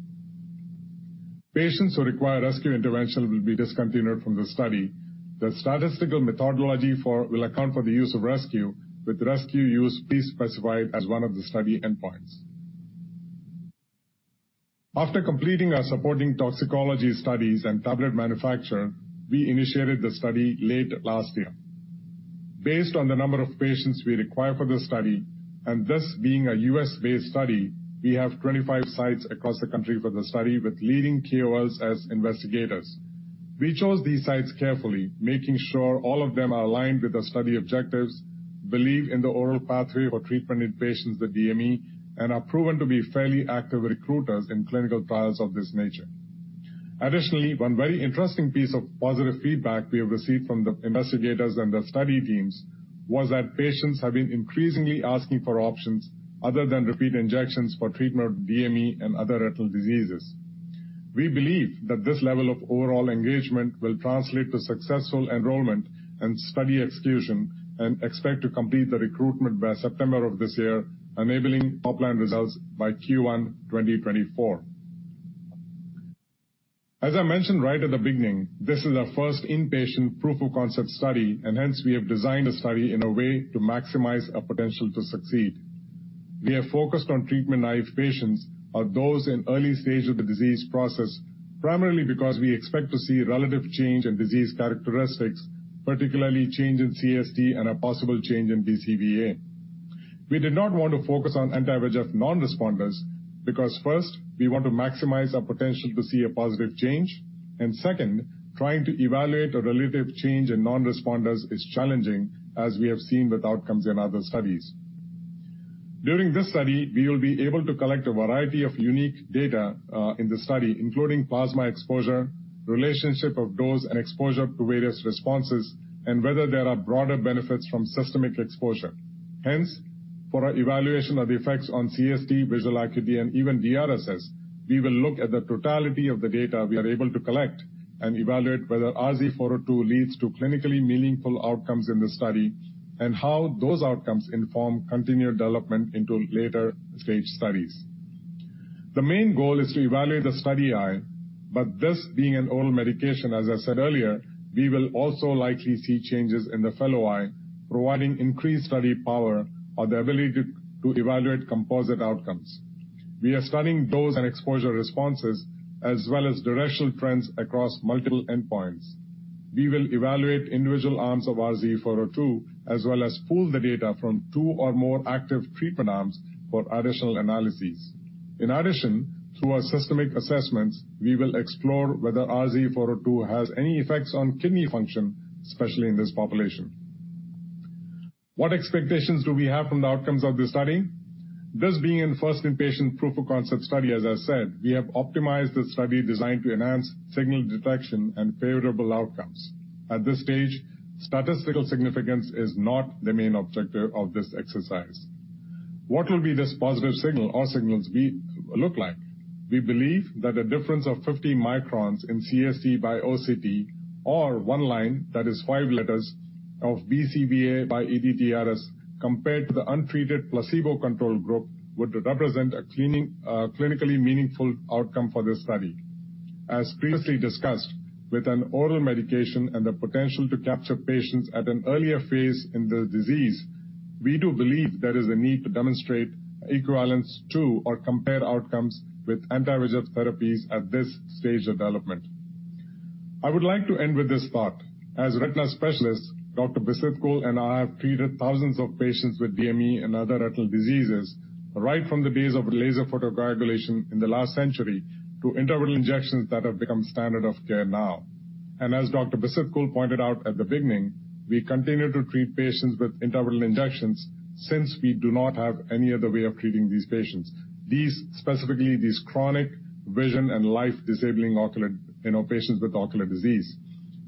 Patients who require rescue intervention will be discontinued from the study. The statistical methodology for will account for the use of rescue, with rescue use pre-specified as one of the study endpoints. After completing our supporting toxicology studies and tablet manufacture, we initiated the study late last year. Based on the number of patients we require for this study and this being a U.S.-based study, we have 25 sites across the country for the study with leading KOLs as investigators. We chose these sites carefully, making sure all of them are aligned with the study objectives, believe in the oral pathway for treatment in patients with DME, and are proven to be fairly active recruiters in clinical trials of this nature. One very interesting piece of positive feedback we have received from the investigators and the study teams was that patients have been increasingly asking for options other than repeat injections for treatment of DME and other retinal diseases. We believe that this level of overall engagement will translate to successful enrollment and study execution, and expect to complete the recruitment by September of this year, enabling top-line results by Q1 2024. As I mentioned right at the beginning, this is our first inpatient proof-of-concept study, and hence we have designed the study in a way to maximize our potential to succeed. We are focused on treatment-naive patients or those in early stage of the disease process, primarily because we expect to see relative change in disease characteristics, particularly change in CST and a possible change in BCVA. We did not want to focus on anti-VEGF non-responders because first, we want to maximize our potential to see a positive change, and second, trying to evaluate a relative change in non-responders is challenging, as we have seen with outcomes in other studies. During this study, we will be able to collect a variety of unique data, in the study, including plasma exposure, relationship of dose and exposure to various responses, and whether there are broader benefits from systemic exposure. For our evaluation of effects on CST, visual acuity, and even DRSS, we will look at the totality of the data we are able to collect and evaluate whether RZ402 leads to clinically meaningful outcomes in the study and how those outcomes inform continued development into later-stage studies. The main goal is to evaluate the study eye, this being an oral medication, as I said earlier, we will also likely see changes in the fellow eye, providing increased study power or the ability to evaluate composite outcomes. We are studying dose and exposure responses as well as directional trends across multiple endpoints. We will evaluate individual arms of RZ402, as well as pool the data from two or more active treatment arms for additional analyses. Through our systemic assessments, we will explore whether RZ402 has any effects on kidney function, especially in this population. What expectations do we have from the outcomes of this study? This being in first inpatient proof-of-concept study, as I said, we have optimized the study designed to enhance signal detection and favorable outcomes. At this stage, statistical significance is not the main objective of this exercise. What will be this positive signal or signals look like? We believe that a difference of 50 microns in CST by OCT or one line that is five letters of BCVA by ETDRS compared to the untreated placebo-controlled group would represent a cleaning, clinically meaningful outcome for this study. As previously discussed, with an oral medication and the potential to capture patients at an earlier phase in the disease, we do believe there is a need to demonstrate equivalence to or compare outcomes with anti-VEGF therapies at this stage of development. I would like to end with this thought. As retina specialists, Dr. Bhisitkul and I have treated thousands of patients with DME and other retinal diseases, right from the days of laser photocoagulation in the last century to interval injections that have become standard of care now. As Dr. Bhisitkul pointed out at the beginning, we continue to treat patients with interval injections since we do not have any other way of treating these patients. These, specifically these chronic vision and life-disabling ocular, you know, patients with ocular disease.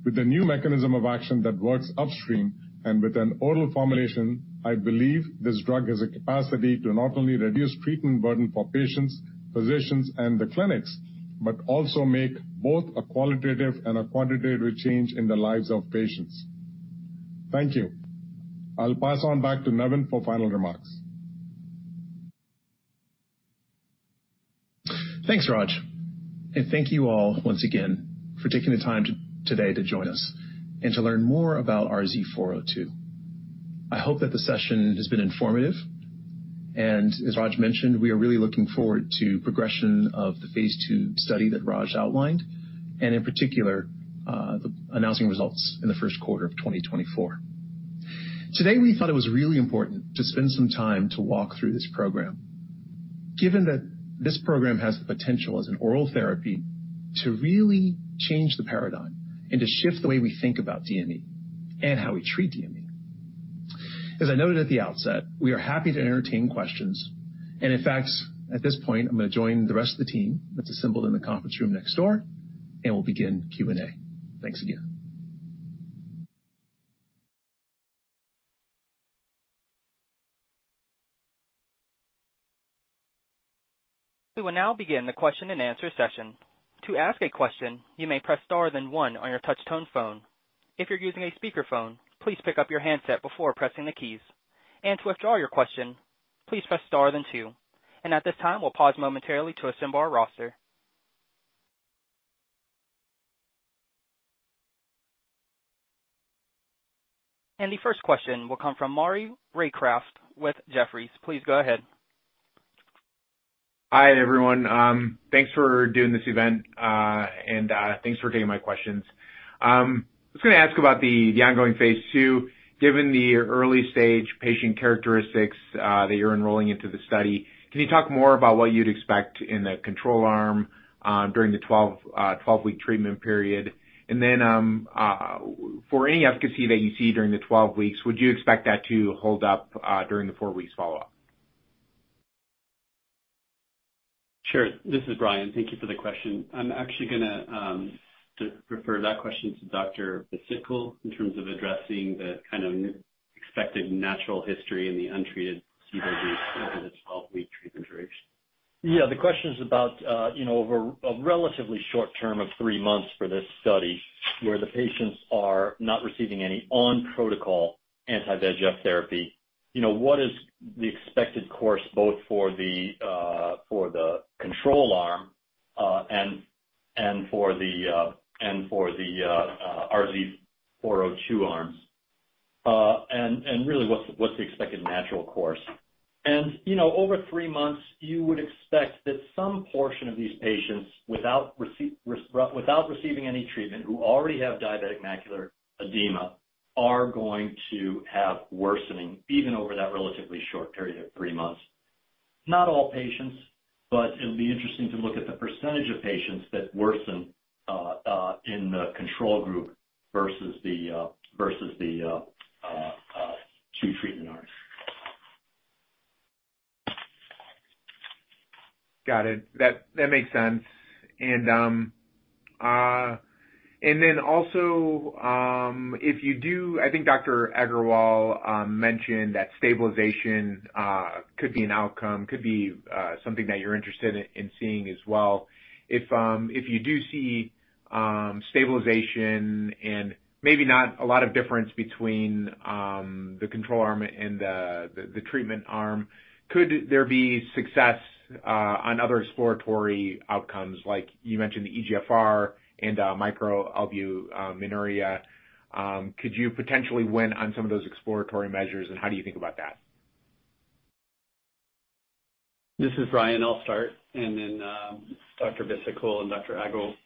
With a new mechanism of action that works upstream and with an oral formulation, I believe this drug has a capacity to not only reduce treatment burden for patients, physicians, and the clinics but also make both a qualitative and a quantitative change in the lives of patients. Thank you. I'll pass on back to Nevan for final remarks. Thanks, Raj. Thank you all once again for taking the time today to join us and to learn more about RZ402. I hope that the session has been informative. As Raj mentioned, we are really looking forward to progression of the phase II study that Raj outlined. In particular, announcing results in the first quarter of 2024. Today, we thought it was really important to spend some time to walk through this program. Given that this program has the potential as an oral therapy to really change the paradigm and to shift the way we think about DME and how we treat DME. As I noted at the outset, we are happy to entertain questions. In fact, at this point, I'm going to join the rest of the team that's assembled in the conference room next door, and we'll begin Q&A. Thanks again. We will now begin the question and answer session. To ask a question, you may press star than one on your touch-tone phone. If you're using a speakerphone, please pick up your handset before pressing the keys. To withdraw your question, please press star than two. At this time, we'll pause momentarily to assemble our roster. The first question will come from Maury Raycroft with Jefferies. Please go ahead. Hi, everyone. Thanks for doing this event. Thanks for taking my questions. I was gonna ask about the ongoing phase II. Given the early stage patient characteristics, that you're enrolling into the study, can you talk more about what you'd expect in the control arm, during the 12-week treatment period? For any efficacy that you see during the 12 weeks, would you expect that to hold up during the four weeks follow-up? Sure. This is Brian. Thank you for the question. I'm actually going to refer that question to Dr. Bhisitkul in terms of addressing the kind of expected natural history in the untreated C5 use over the 12-week treatment duration. Yeah. The question is about, you know, over a relatively short term of three months for this study where the patients are not receiving any on-protocol anti-VEGF therapy. You know, what is the expected course both for the control arm, and for the RZ402 arms? Really, what's the expected natural course? You know, over three months, you would expect that some portion of these patients without receiving any treatment who already have diabetic macular edema are going to have worsening even over that relatively short period of three months. Not all patients, it'll be interesting to look at the percentage of patients that worsen in the control group versus the two treatment arms. Got it. That makes sense. Then also, if you do I think Dr. Raj Agrawal mentioned that stabilization could be an outcome, could be something that you're interested in seeing as well. If you do see stabilization and maybe not a lot of difference between the control arm and the treatment arm, could there be success on other exploratory outcomes like you mentioned the eGFR and microalbuminuria? Could you potentially win on some of those exploratory measures, and how do you think about that? This is Brian. I'll start. Then Dr. Bhisitkul and Dr.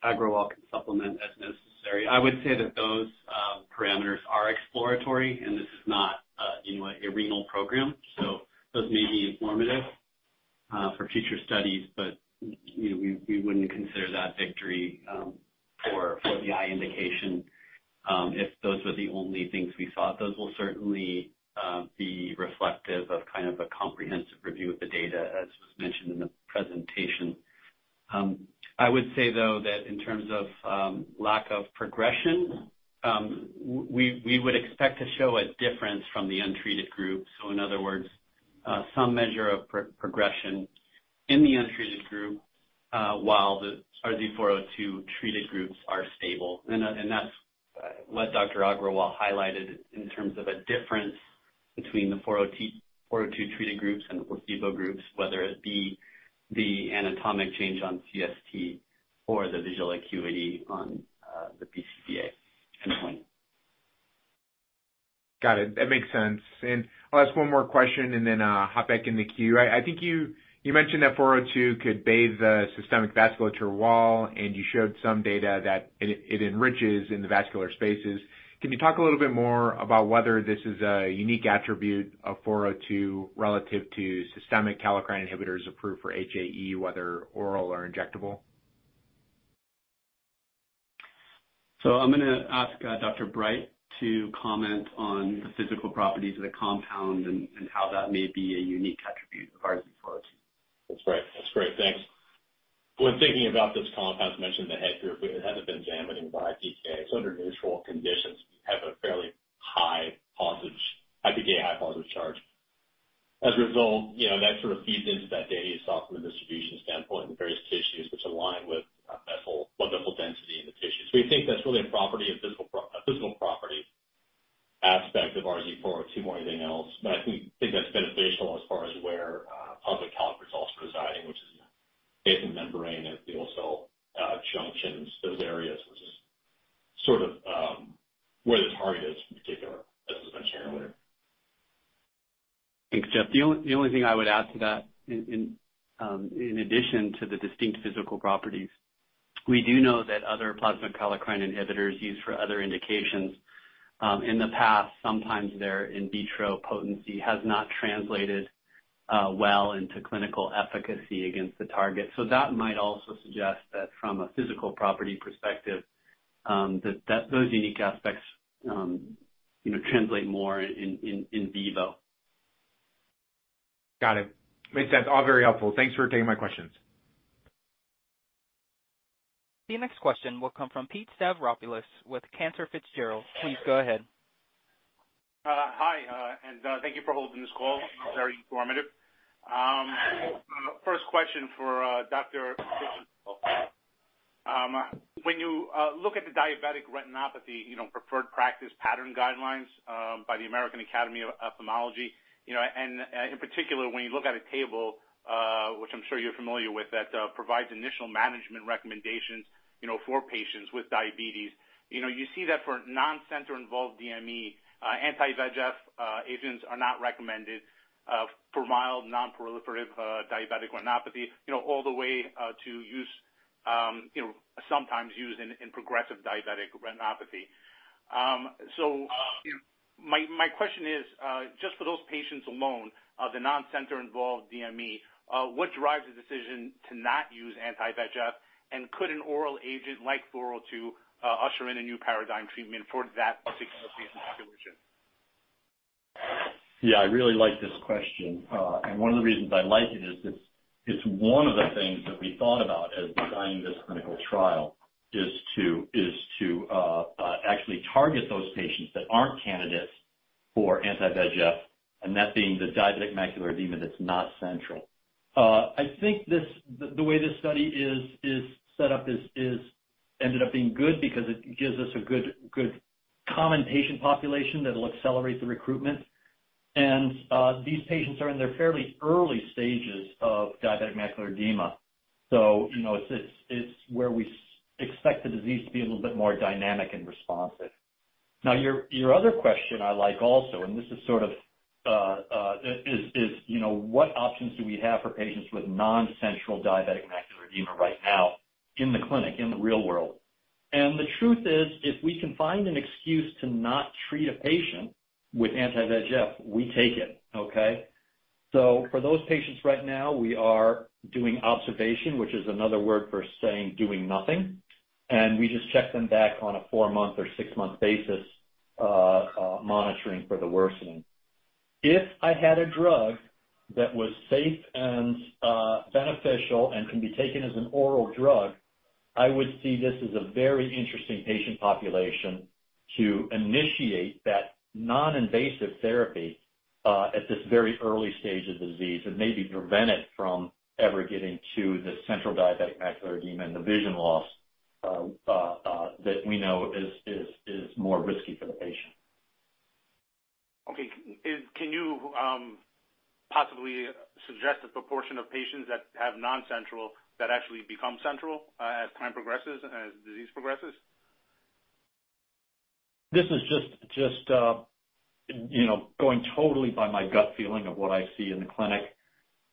Agrawal can supplement as necessary. I would say that those parameters are exploratory, and this is not, you know, a renal program, so those may be informative for future studies. We wouldn't consider that victory for the eye indication if those were the only things we saw. Those will certainly be reflective of kind of a comprehensive review of the data, as was mentioned in the presentation. I would say, though, that in terms of lack of progression, we would expect to show a difference from the untreated group. In other words, some measure of progression in the untreated group while the RZ402 treated groups are stable. That's what Dr. Agrawal highlighted in terms of a difference between the RZ402 treated groups and the placebo groups, whether it be the anatomic change on CST or the visual acuity on the BCVA endpoint. Got it. That makes sense. I'll ask one more question and then hop back in the queue. I think you mentioned that RZ402 could bathe the systemic vasculature wall, and you showed some data that it enriches in the vascular spaces. Can you talk a little bit more about whether this is a unique attribute of RZ402 relative to systemic kallikrein inhibitors approved for HAE, whether oral or injectable? I'm gonna ask Dr. Breit to comment on the physical properties of the compound and how that may be a unique attribute of RZ402. That's great. That's great. Thanks. When thinking about this compound, as mentioned in the head group, it has a benzamide and pKa. Under neutral conditions, we have a fairly high positive pKa, high positive charge. As a result, you know, that sort of feeds into that data you saw from a distribution standpoint in various tissues which align with vessel density in the tissue. We think that's really a property, a physical property-aspect of RZ402 more than anything else. I think that's beneficial as far as where public health results residing, which is based in membrane at the cell junctions, those areas which is sort of where the target is in particular, as was mentioned earlier. Thanks, Jeff. The only thing I would add to that in addition to the distinct physical properties, we do know that other plasma kallikrein inhibitors used for other indications, in the past, sometimes their in vitro potency has not translated well into clinical efficacy against the target. That might also suggest that from a physical property perspective, that those unique aspects, you know, translate more in vivo. Got it. Makes sense. All very helpful. Thanks for taking my questions. The next question will come from Pete Stavropoulos with Cantor Fitzgerald. Please go ahead. Hi, thank you for holding this call. Very informative. First question for Dr. Bhisitkul. When you look at the diabetic retinopathy, you know, preferred practice pattern guidelines by the American Academy of Ophthalmology, you know, and in particular, when you look at a table, which I'm sure you're familiar with, that provides initial management recommendations, you know, for patients with diabetes. You know, you see that for non-center involved DME, anti-VEGF agents are not recommended for mild non-proliferative diabetic retinopathy, you know, all the way to use, you know, sometimes used in progressive diabetic retinopathy. My question is just for those patients alone, the non-center involved DME, what drives the decision to not use anti-VEGF? Could an oral agent like RZ402 usher in a new paradigm treatment for that particular patient population? Yeah, I really like this question. One of the reasons I like it is it's one of the things that we thought about as designing this clinical trial is to actually target those patients that aren't candidates for anti-VEGF, and that being the diabetic macular edema that's not central. I think this, the way this study is set up is ended up being good because it gives us a good common patient population that'll accelerate the recruitment. These patients are in their fairly early stages of diabetic macular edema. You know, it's where we expect the disease to be a little bit more dynamic and responsive. Now, your other question I like also, and this is sort of, you know, what options do we have for patients with non-central diabetic macular edema right now in the clinic, in the real world? The truth is, if we can find an excuse to not treat a patient with anti-VEGF, we take it. Okay? For those patients right now, we are doing observation, which is another word for saying, doing nothing. We just check them back on a four-month or six-month basis, monitoring for the worsening. If I had a drug that was safe and beneficial and can be taken as an oral drug, I would see this as a very interesting patient population to initiate that non-invasive therapy at this very early stage of the disease and maybe prevent it from ever getting to the central diabetic macular edema and the vision loss that we know is more risky for the patient. Okay. Can you, possibly suggest the proportion of patients that have non-central that actually become central, as time progresses, as disease progresses? This is just, you know, going totally by my gut feeling of what I see in the clinic,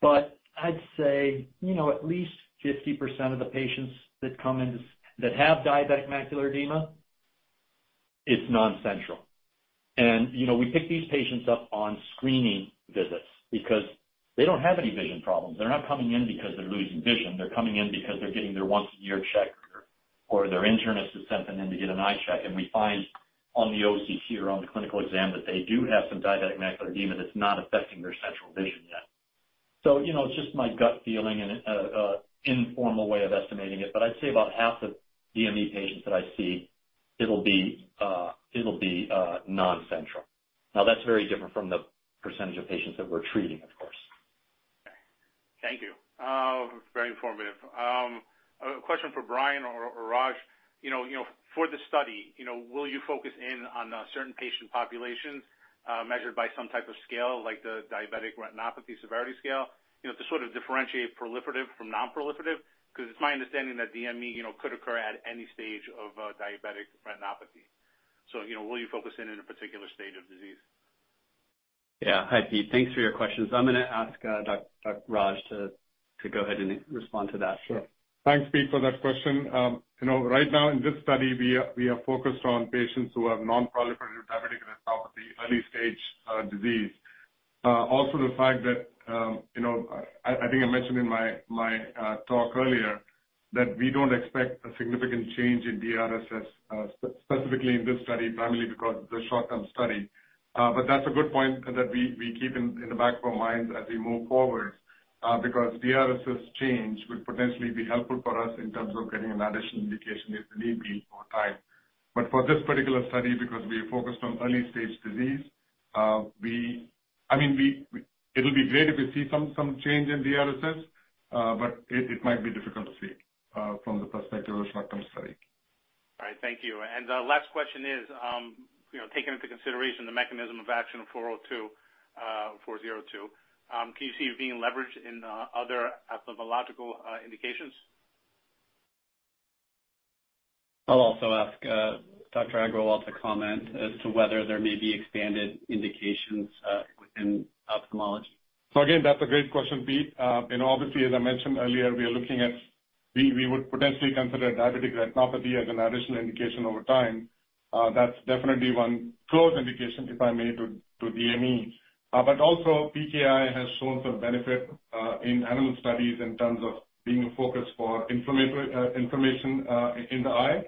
but I'd say, you know, at least 50% of the patients that come in this, that have diabetic macular edema, it's non-central. You know, we pick these patients up on screening visits because they don't have any vision problems. They're not coming in because they're losing vision. They're coming in because they're getting their once a year check, or their internist has sent them in to get an eye check. We find on the OCT or on the clinical exam that they do have some diabetic macular edema that's not affecting their central vision yet. You know, it's just my gut feeling and informal way of estimating it, but I'd say about half the DME patients that I see, it'll be non-central. That's very different from the percentage of patients that we're treating, of course. Thank you. Very informative. A question for Brian or Raj. You know, for the study, you know, will you focus in on certain patient populations, measured by some type of scale, like the diabetic retinopathy severity scale, you know, to sort of differentiate proliferative from non-proliferative? Because it's my understanding that DME, you know, could occur at any stage of diabetic retinopathy. You know, will you focus in a particular stage of disease? Yeah. Hi, Pete. Thanks for your questions. I'm gonna ask Dr. Raj to go ahead and respond to that. Sure. Thanks, Pete, for that question. You know, right now in this study, we are focused on patients who have non-proliferative diabetic retinopathy, early stage disease. The fact that, you know, I think I mentioned in my talk earlier that we don't expect a significant change in DRSS, specifically in this study, primarily because it's a short-term study. That's a good point that we keep in the back of our minds as we move forward, because DRSS change would potentially be helpful for us in terms of getting an additional indication if need be over time. For this particular study, because we focused on early stage disease, we, I mean, it'll be great if we see some change in DRSS, but it might be difficult to see from the perspective of the outcome study. All right. Thank you. The last question is, you know, taking into consideration the mechanism of action of 402, can you see it being leveraged in other ophthalmological indications? I'll also ask, Dr. Agrawal to comment as to whether there may be expanded indications, within ophthalmology. Again, that's a great question, Pete. Obviously, as I mentioned earlier, we are looking at, we would potentially consider diabetic retinopathy as an additional indication over time. That's definitely one close indication, if I may, to DME. Also, PKI has shown some benefit in animal studies in terms of being a focus for inflammation in the eye,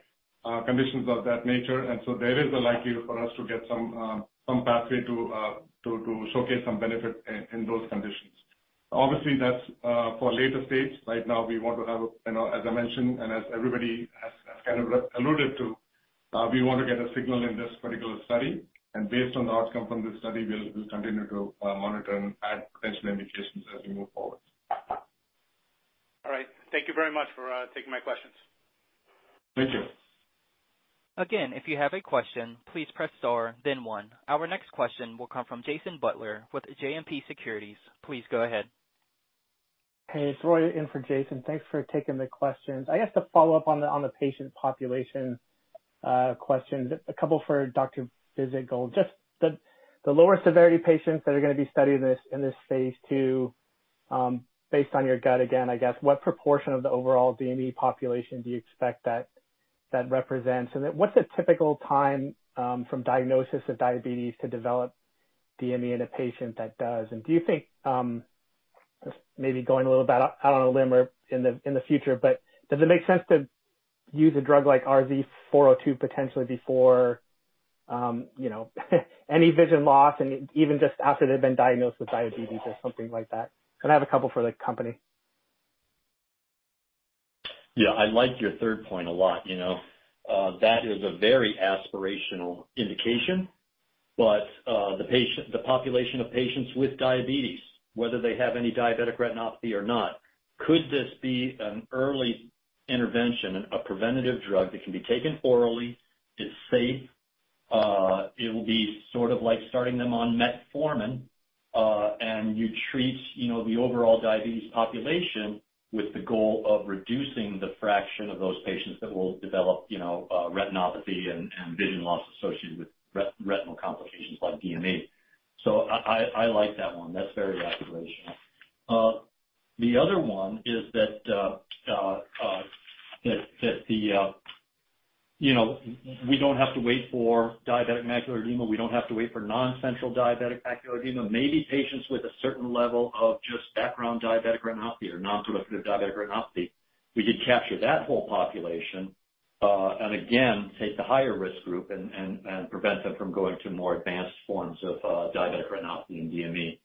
conditions of that nature. There is a likelihood for us to get some pathway to showcase some benefit in those conditions. Obviously, that's for later stage. Right now we want to have, you know, as I mentioned, as everybody has kind of alluded to, we want to get a signal in this particular study. Based on the outcome from this study, we'll continue to monitor and add potential indications as we move forward. All right. Thank you very much for, taking my questions. Thank you. Again, if you have a question, please press star then one. Our next question will come from Jason Butler with JMP Securities. Please go ahead. Hey, it's Roy in for Jason. Thanks for taking the questions. I guess to follow up on the, on the patient population question. A couple for Dr. Bhisitkul. Just the lower severity patients that are gonna be studied in this phase II, based on your gut again, I guess, what proportion of the overall DME population do you expect that represents? What's a typical time from diagnosis of diabetes to develop DME in a patient that does? Do you think, maybe going a little bit out on a limb or in the future, but does it make sense to use a drug like RZ402 potentially before, you know, any vision loss and even just after they've been diagnosed with diabetes or something like that? I have a couple for the company. Yeah, I like your third point a lot, you know. That is a very aspirational indication, the patient, the population of patients with diabetes, whether they have any diabetic retinopathy or not, could this be an early intervention, a preventative drug that can be taken orally, it's safe, it will be sort of like starting them on metformin, and you treat, you know, the overall diabetes population with the goal of reducing the fraction of those patients that will develop, you know, retinopathy and vision loss associated with retinal complications like DME. I like that one. That's very aspirational. The other one is that the, you know, we don't have to wait for diabetic macular edema, we don't have to wait for non-central diabetic macular edema. Maybe patients with a certain level of just background diabetic retinopathy or non-proliferative diabetic retinopathy, we could capture that whole population, again, take the higher risk group and prevent them from going to more advanced forms of diabetic retinopathy and DME.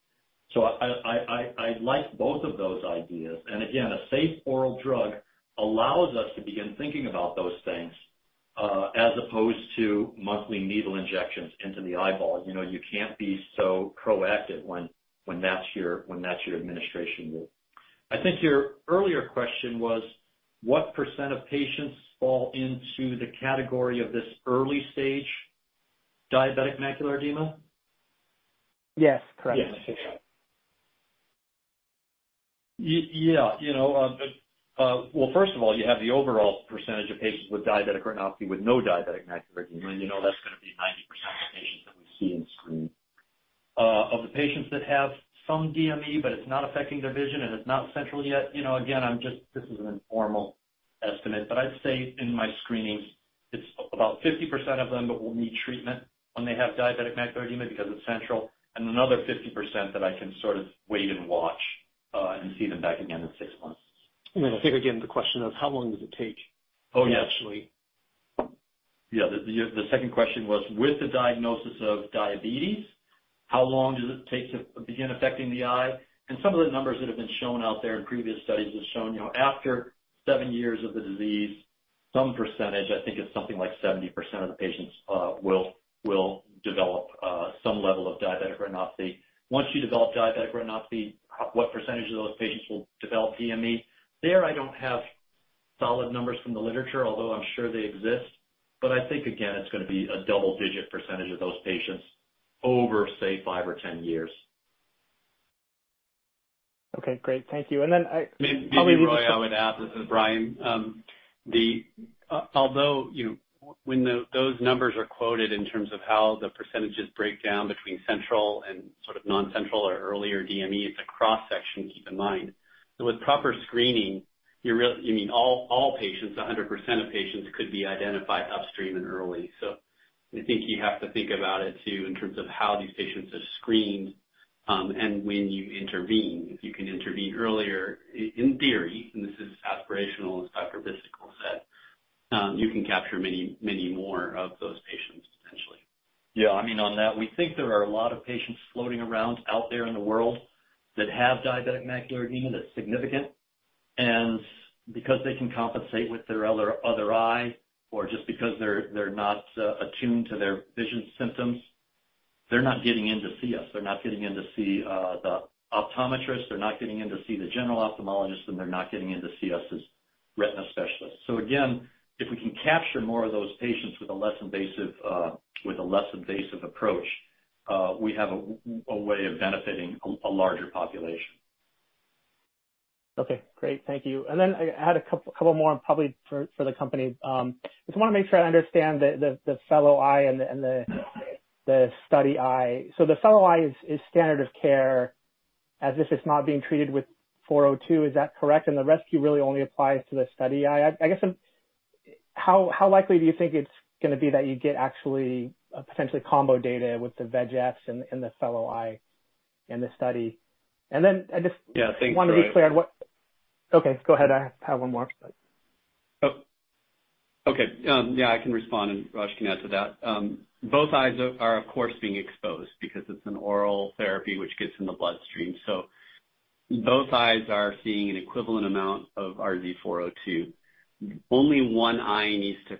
I like both of those ideas. Again, a safe oral drug allows us to begin thinking about those things, as opposed to monthly needle injections into the eyeball. You know, you can't be so proactive when that's your administration route. I think your earlier question was what % of patients fall into the category of this early stage diabetic macular edema? Yes, correct. Yes. Yeah. You, yeah. You know, well, first of all, you have the overall percentage of patients with diabetic retinopathy with no diabetic macular edema. You know that's gonna be 90% of the patients that we see in screen. Of the patients that have some DME but it's not affecting their vision and it's not central yet, you know, again, this is an informal estimate, but I'd say in my screenings it's about 50% of them that will need treatment when they have diabetic macular edema because it's central. Another 50% that I can sort of wait and watch, and see them back again in six months. I think, again, the question is how long does it take-? Oh, yeah. -actually? Yeah. The second question was, with the diagnosis of diabetes, how long does it take to begin affecting the eye? Some of the numbers that have been shown out there in previous studies have shown, you know, after seven years of the disease, some percentage, I think it's something like 70% of the patients will develop some level of diabetic retinopathy. Once you develop diabetic retinopathy, what percentage of those patients will develop DME? There I don't have solid numbers from the literature, although I'm sure they exist. I think, again, it's gonna be a double-digit percentage of those patients over, say, five or 10 years. Okay, great. Thank you. Then I- Maybe, maybe Roy, I would add, this is Brian. Although, when those numbers are quoted in terms of how the percent break down between central and sort of non-central or earlier DME, it's a cross-section, keep in mind. With proper screening, you need all patients, 100% of patients could be identified upstream and early. I think you have to think about it too in terms of how these patients are screened, and when you intervene. If you can intervene earlier, in theory, and this is aspirational as Dr. Bhisitkul said, you can capture many, many more of those patients potentially. Yeah. I mean, on that, we think there are a lot of patients floating around out there in the world that have diabetic macular edema that's significant. Because they can compensate with their other eye or just because they're not attuned to their vision symptoms, they're not getting in to see us. They're not getting in to see the optometrist, they're not getting in to see the general ophthalmologist, and they're not getting in to see us as retina specialists. Again, if we can capture more of those patients with a less invasive, with a less invasive approach, we have a way of benefiting a larger population. Okay, great. Thank you. Then I had a couple more probably for the company. Just wanna make sure I understand the fellow eye and the study eye. The fellow eye is standard of care as this is not being treated with 402, is that correct? The rescue really only applies to the study eye. I guess I'm How likely do you think it's gonna be that you get actually a potentially combo data with the VEGF and the fellow eye in this study? Then I just. Yeah. Thanks, Roy. want to be clear what... Okay, go ahead. I have one more. Yeah, I can respond, and Raj can add to that. Both eyes are, of course, being exposed because it's an oral therapy which gets in the bloodstream. Both eyes are seeing an equivalent amount of RZ402. Only one eye needs to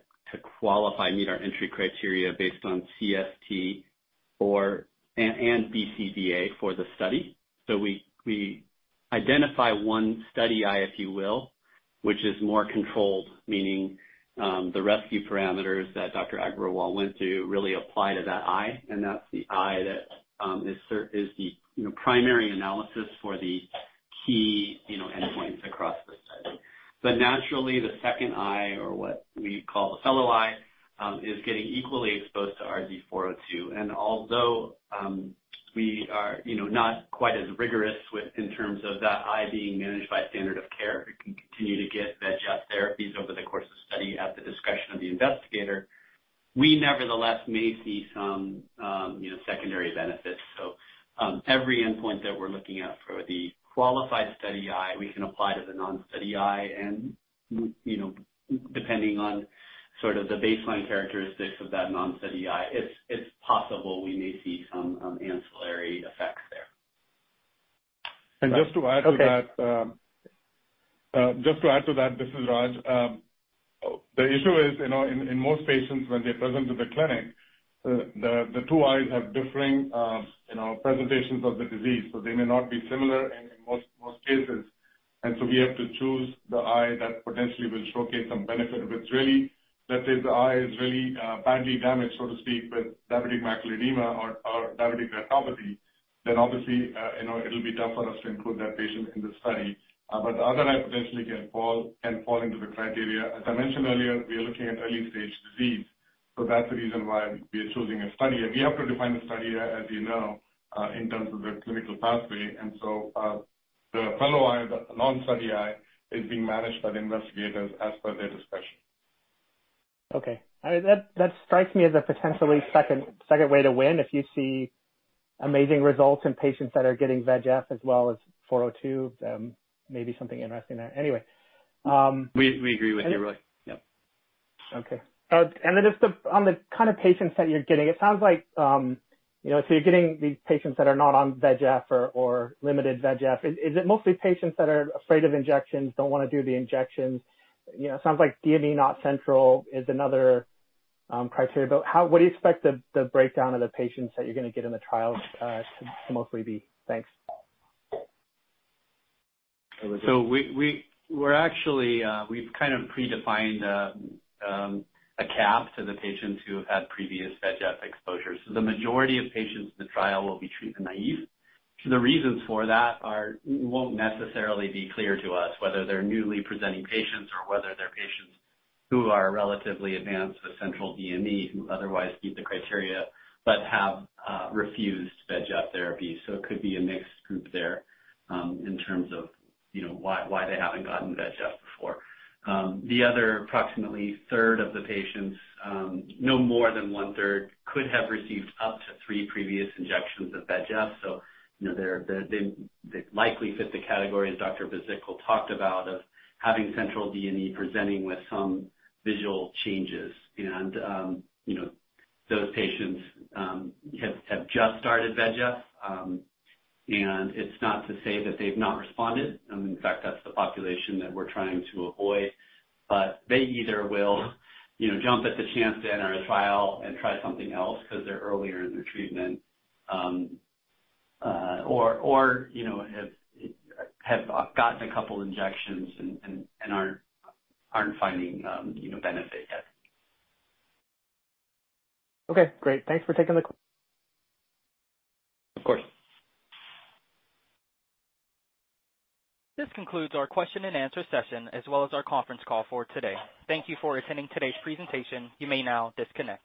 qualify, meet our entry criteria based on CST and BCVA for the study. We identify one study eye, if you will, which is more controlled, meaning, the rescue parameters that Dr. Raj Agrawal went to really apply to that eye, and that's the eye that is the, you know, primary analysis for the key, you know, endpoints across the study. Naturally, the second eye, or what we call the fellow eye, is getting equally exposed to RZ402. Although, we are, you know, not quite as rigorous with in terms of that eye being managed by standard of care, it can continue to get VEGF therapies over the course of study at the discretion of the investigator. We nevertheless may see some, you know, secondary benefits. Every endpoint that we're looking at for the qualified study eye, we can apply to the non-study eye. You know, depending on sort of the baseline characteristics of that non-study eye, it's possible we may see some, ancillary effects there. just to add to that. Okay. Just to add to that, this is Raj. The issue is, you know, in most patients when they present to the clinic, the two eyes have differing, you know, presentations of the disease, so they may not be similar in most cases. We have to choose the eye that potentially will showcase some benefit. If it's really, let's say, the eye is really badly damaged, so to speak, with diabetic macular edema or diabetic retinopathy, then obviously, you know, it'll be tough for us to include that patient in the study. The other eye potentially can fall into the criteria. As I mentioned earlier, we are looking at early-stage disease, that's the reason why we are choosing a study eye. We have to define the study eye, as you know, in terms of the clinical pathway, and so, the fellow eye, the non-study eye, is being managed by the investigators as per their discussion. Okay. I mean, that strikes me as a potentially second way to win. If you see amazing results in patients that are getting VEGF as well as 402, maybe something interesting there. Anyway. We agree with you, Willie. Yep. Okay. Then just on the kind of patients that you're getting, it sounds like, you know, you're getting these patients that are not on VEGF or limited VEGF. Is it mostly patients that are afraid of injections, don't wanna do the injections? You know, it sounds like DME, not central, is another criteria. What do you expect the breakdown of the patients that you're gonna get in the trial to mostly be? Thanks. We're actually, we've kind of predefined a cap to the patients who have had previous VEGF exposure. The majority of patients in the trial will be treatment-naive. The reasons for that won't necessarily be clear to us whether they're newly presenting patients or whether they're patients who are relatively advanced with central DME who otherwise meet the criteria but have refused VEGF therapy. It could be a mixed group there, in terms of, you know, why they haven't gotten VEGF before. The other approximately third of the patients, no more than one-third could have received up to three previous injections of VEGF. You know, they likely fit the category, as Dr. Bhisitkul talked about, of having central DME presenting with some visual changes. You know, those patients have just started VEGF. It's not to say that they've not responded. In fact, that's the population that we're trying to avoid. They either will, you know, jump at the chance to enter a trial and try something else because they're earlier in their treatment. Or, you know, have gotten a couple injections and aren't finding, you know, benefit yet. Okay, great. Thanks for taking the call. Of course. This concludes our question-and-answer session as well as our conference call for today. Thank you for attending today's presentation. You may now disconnect.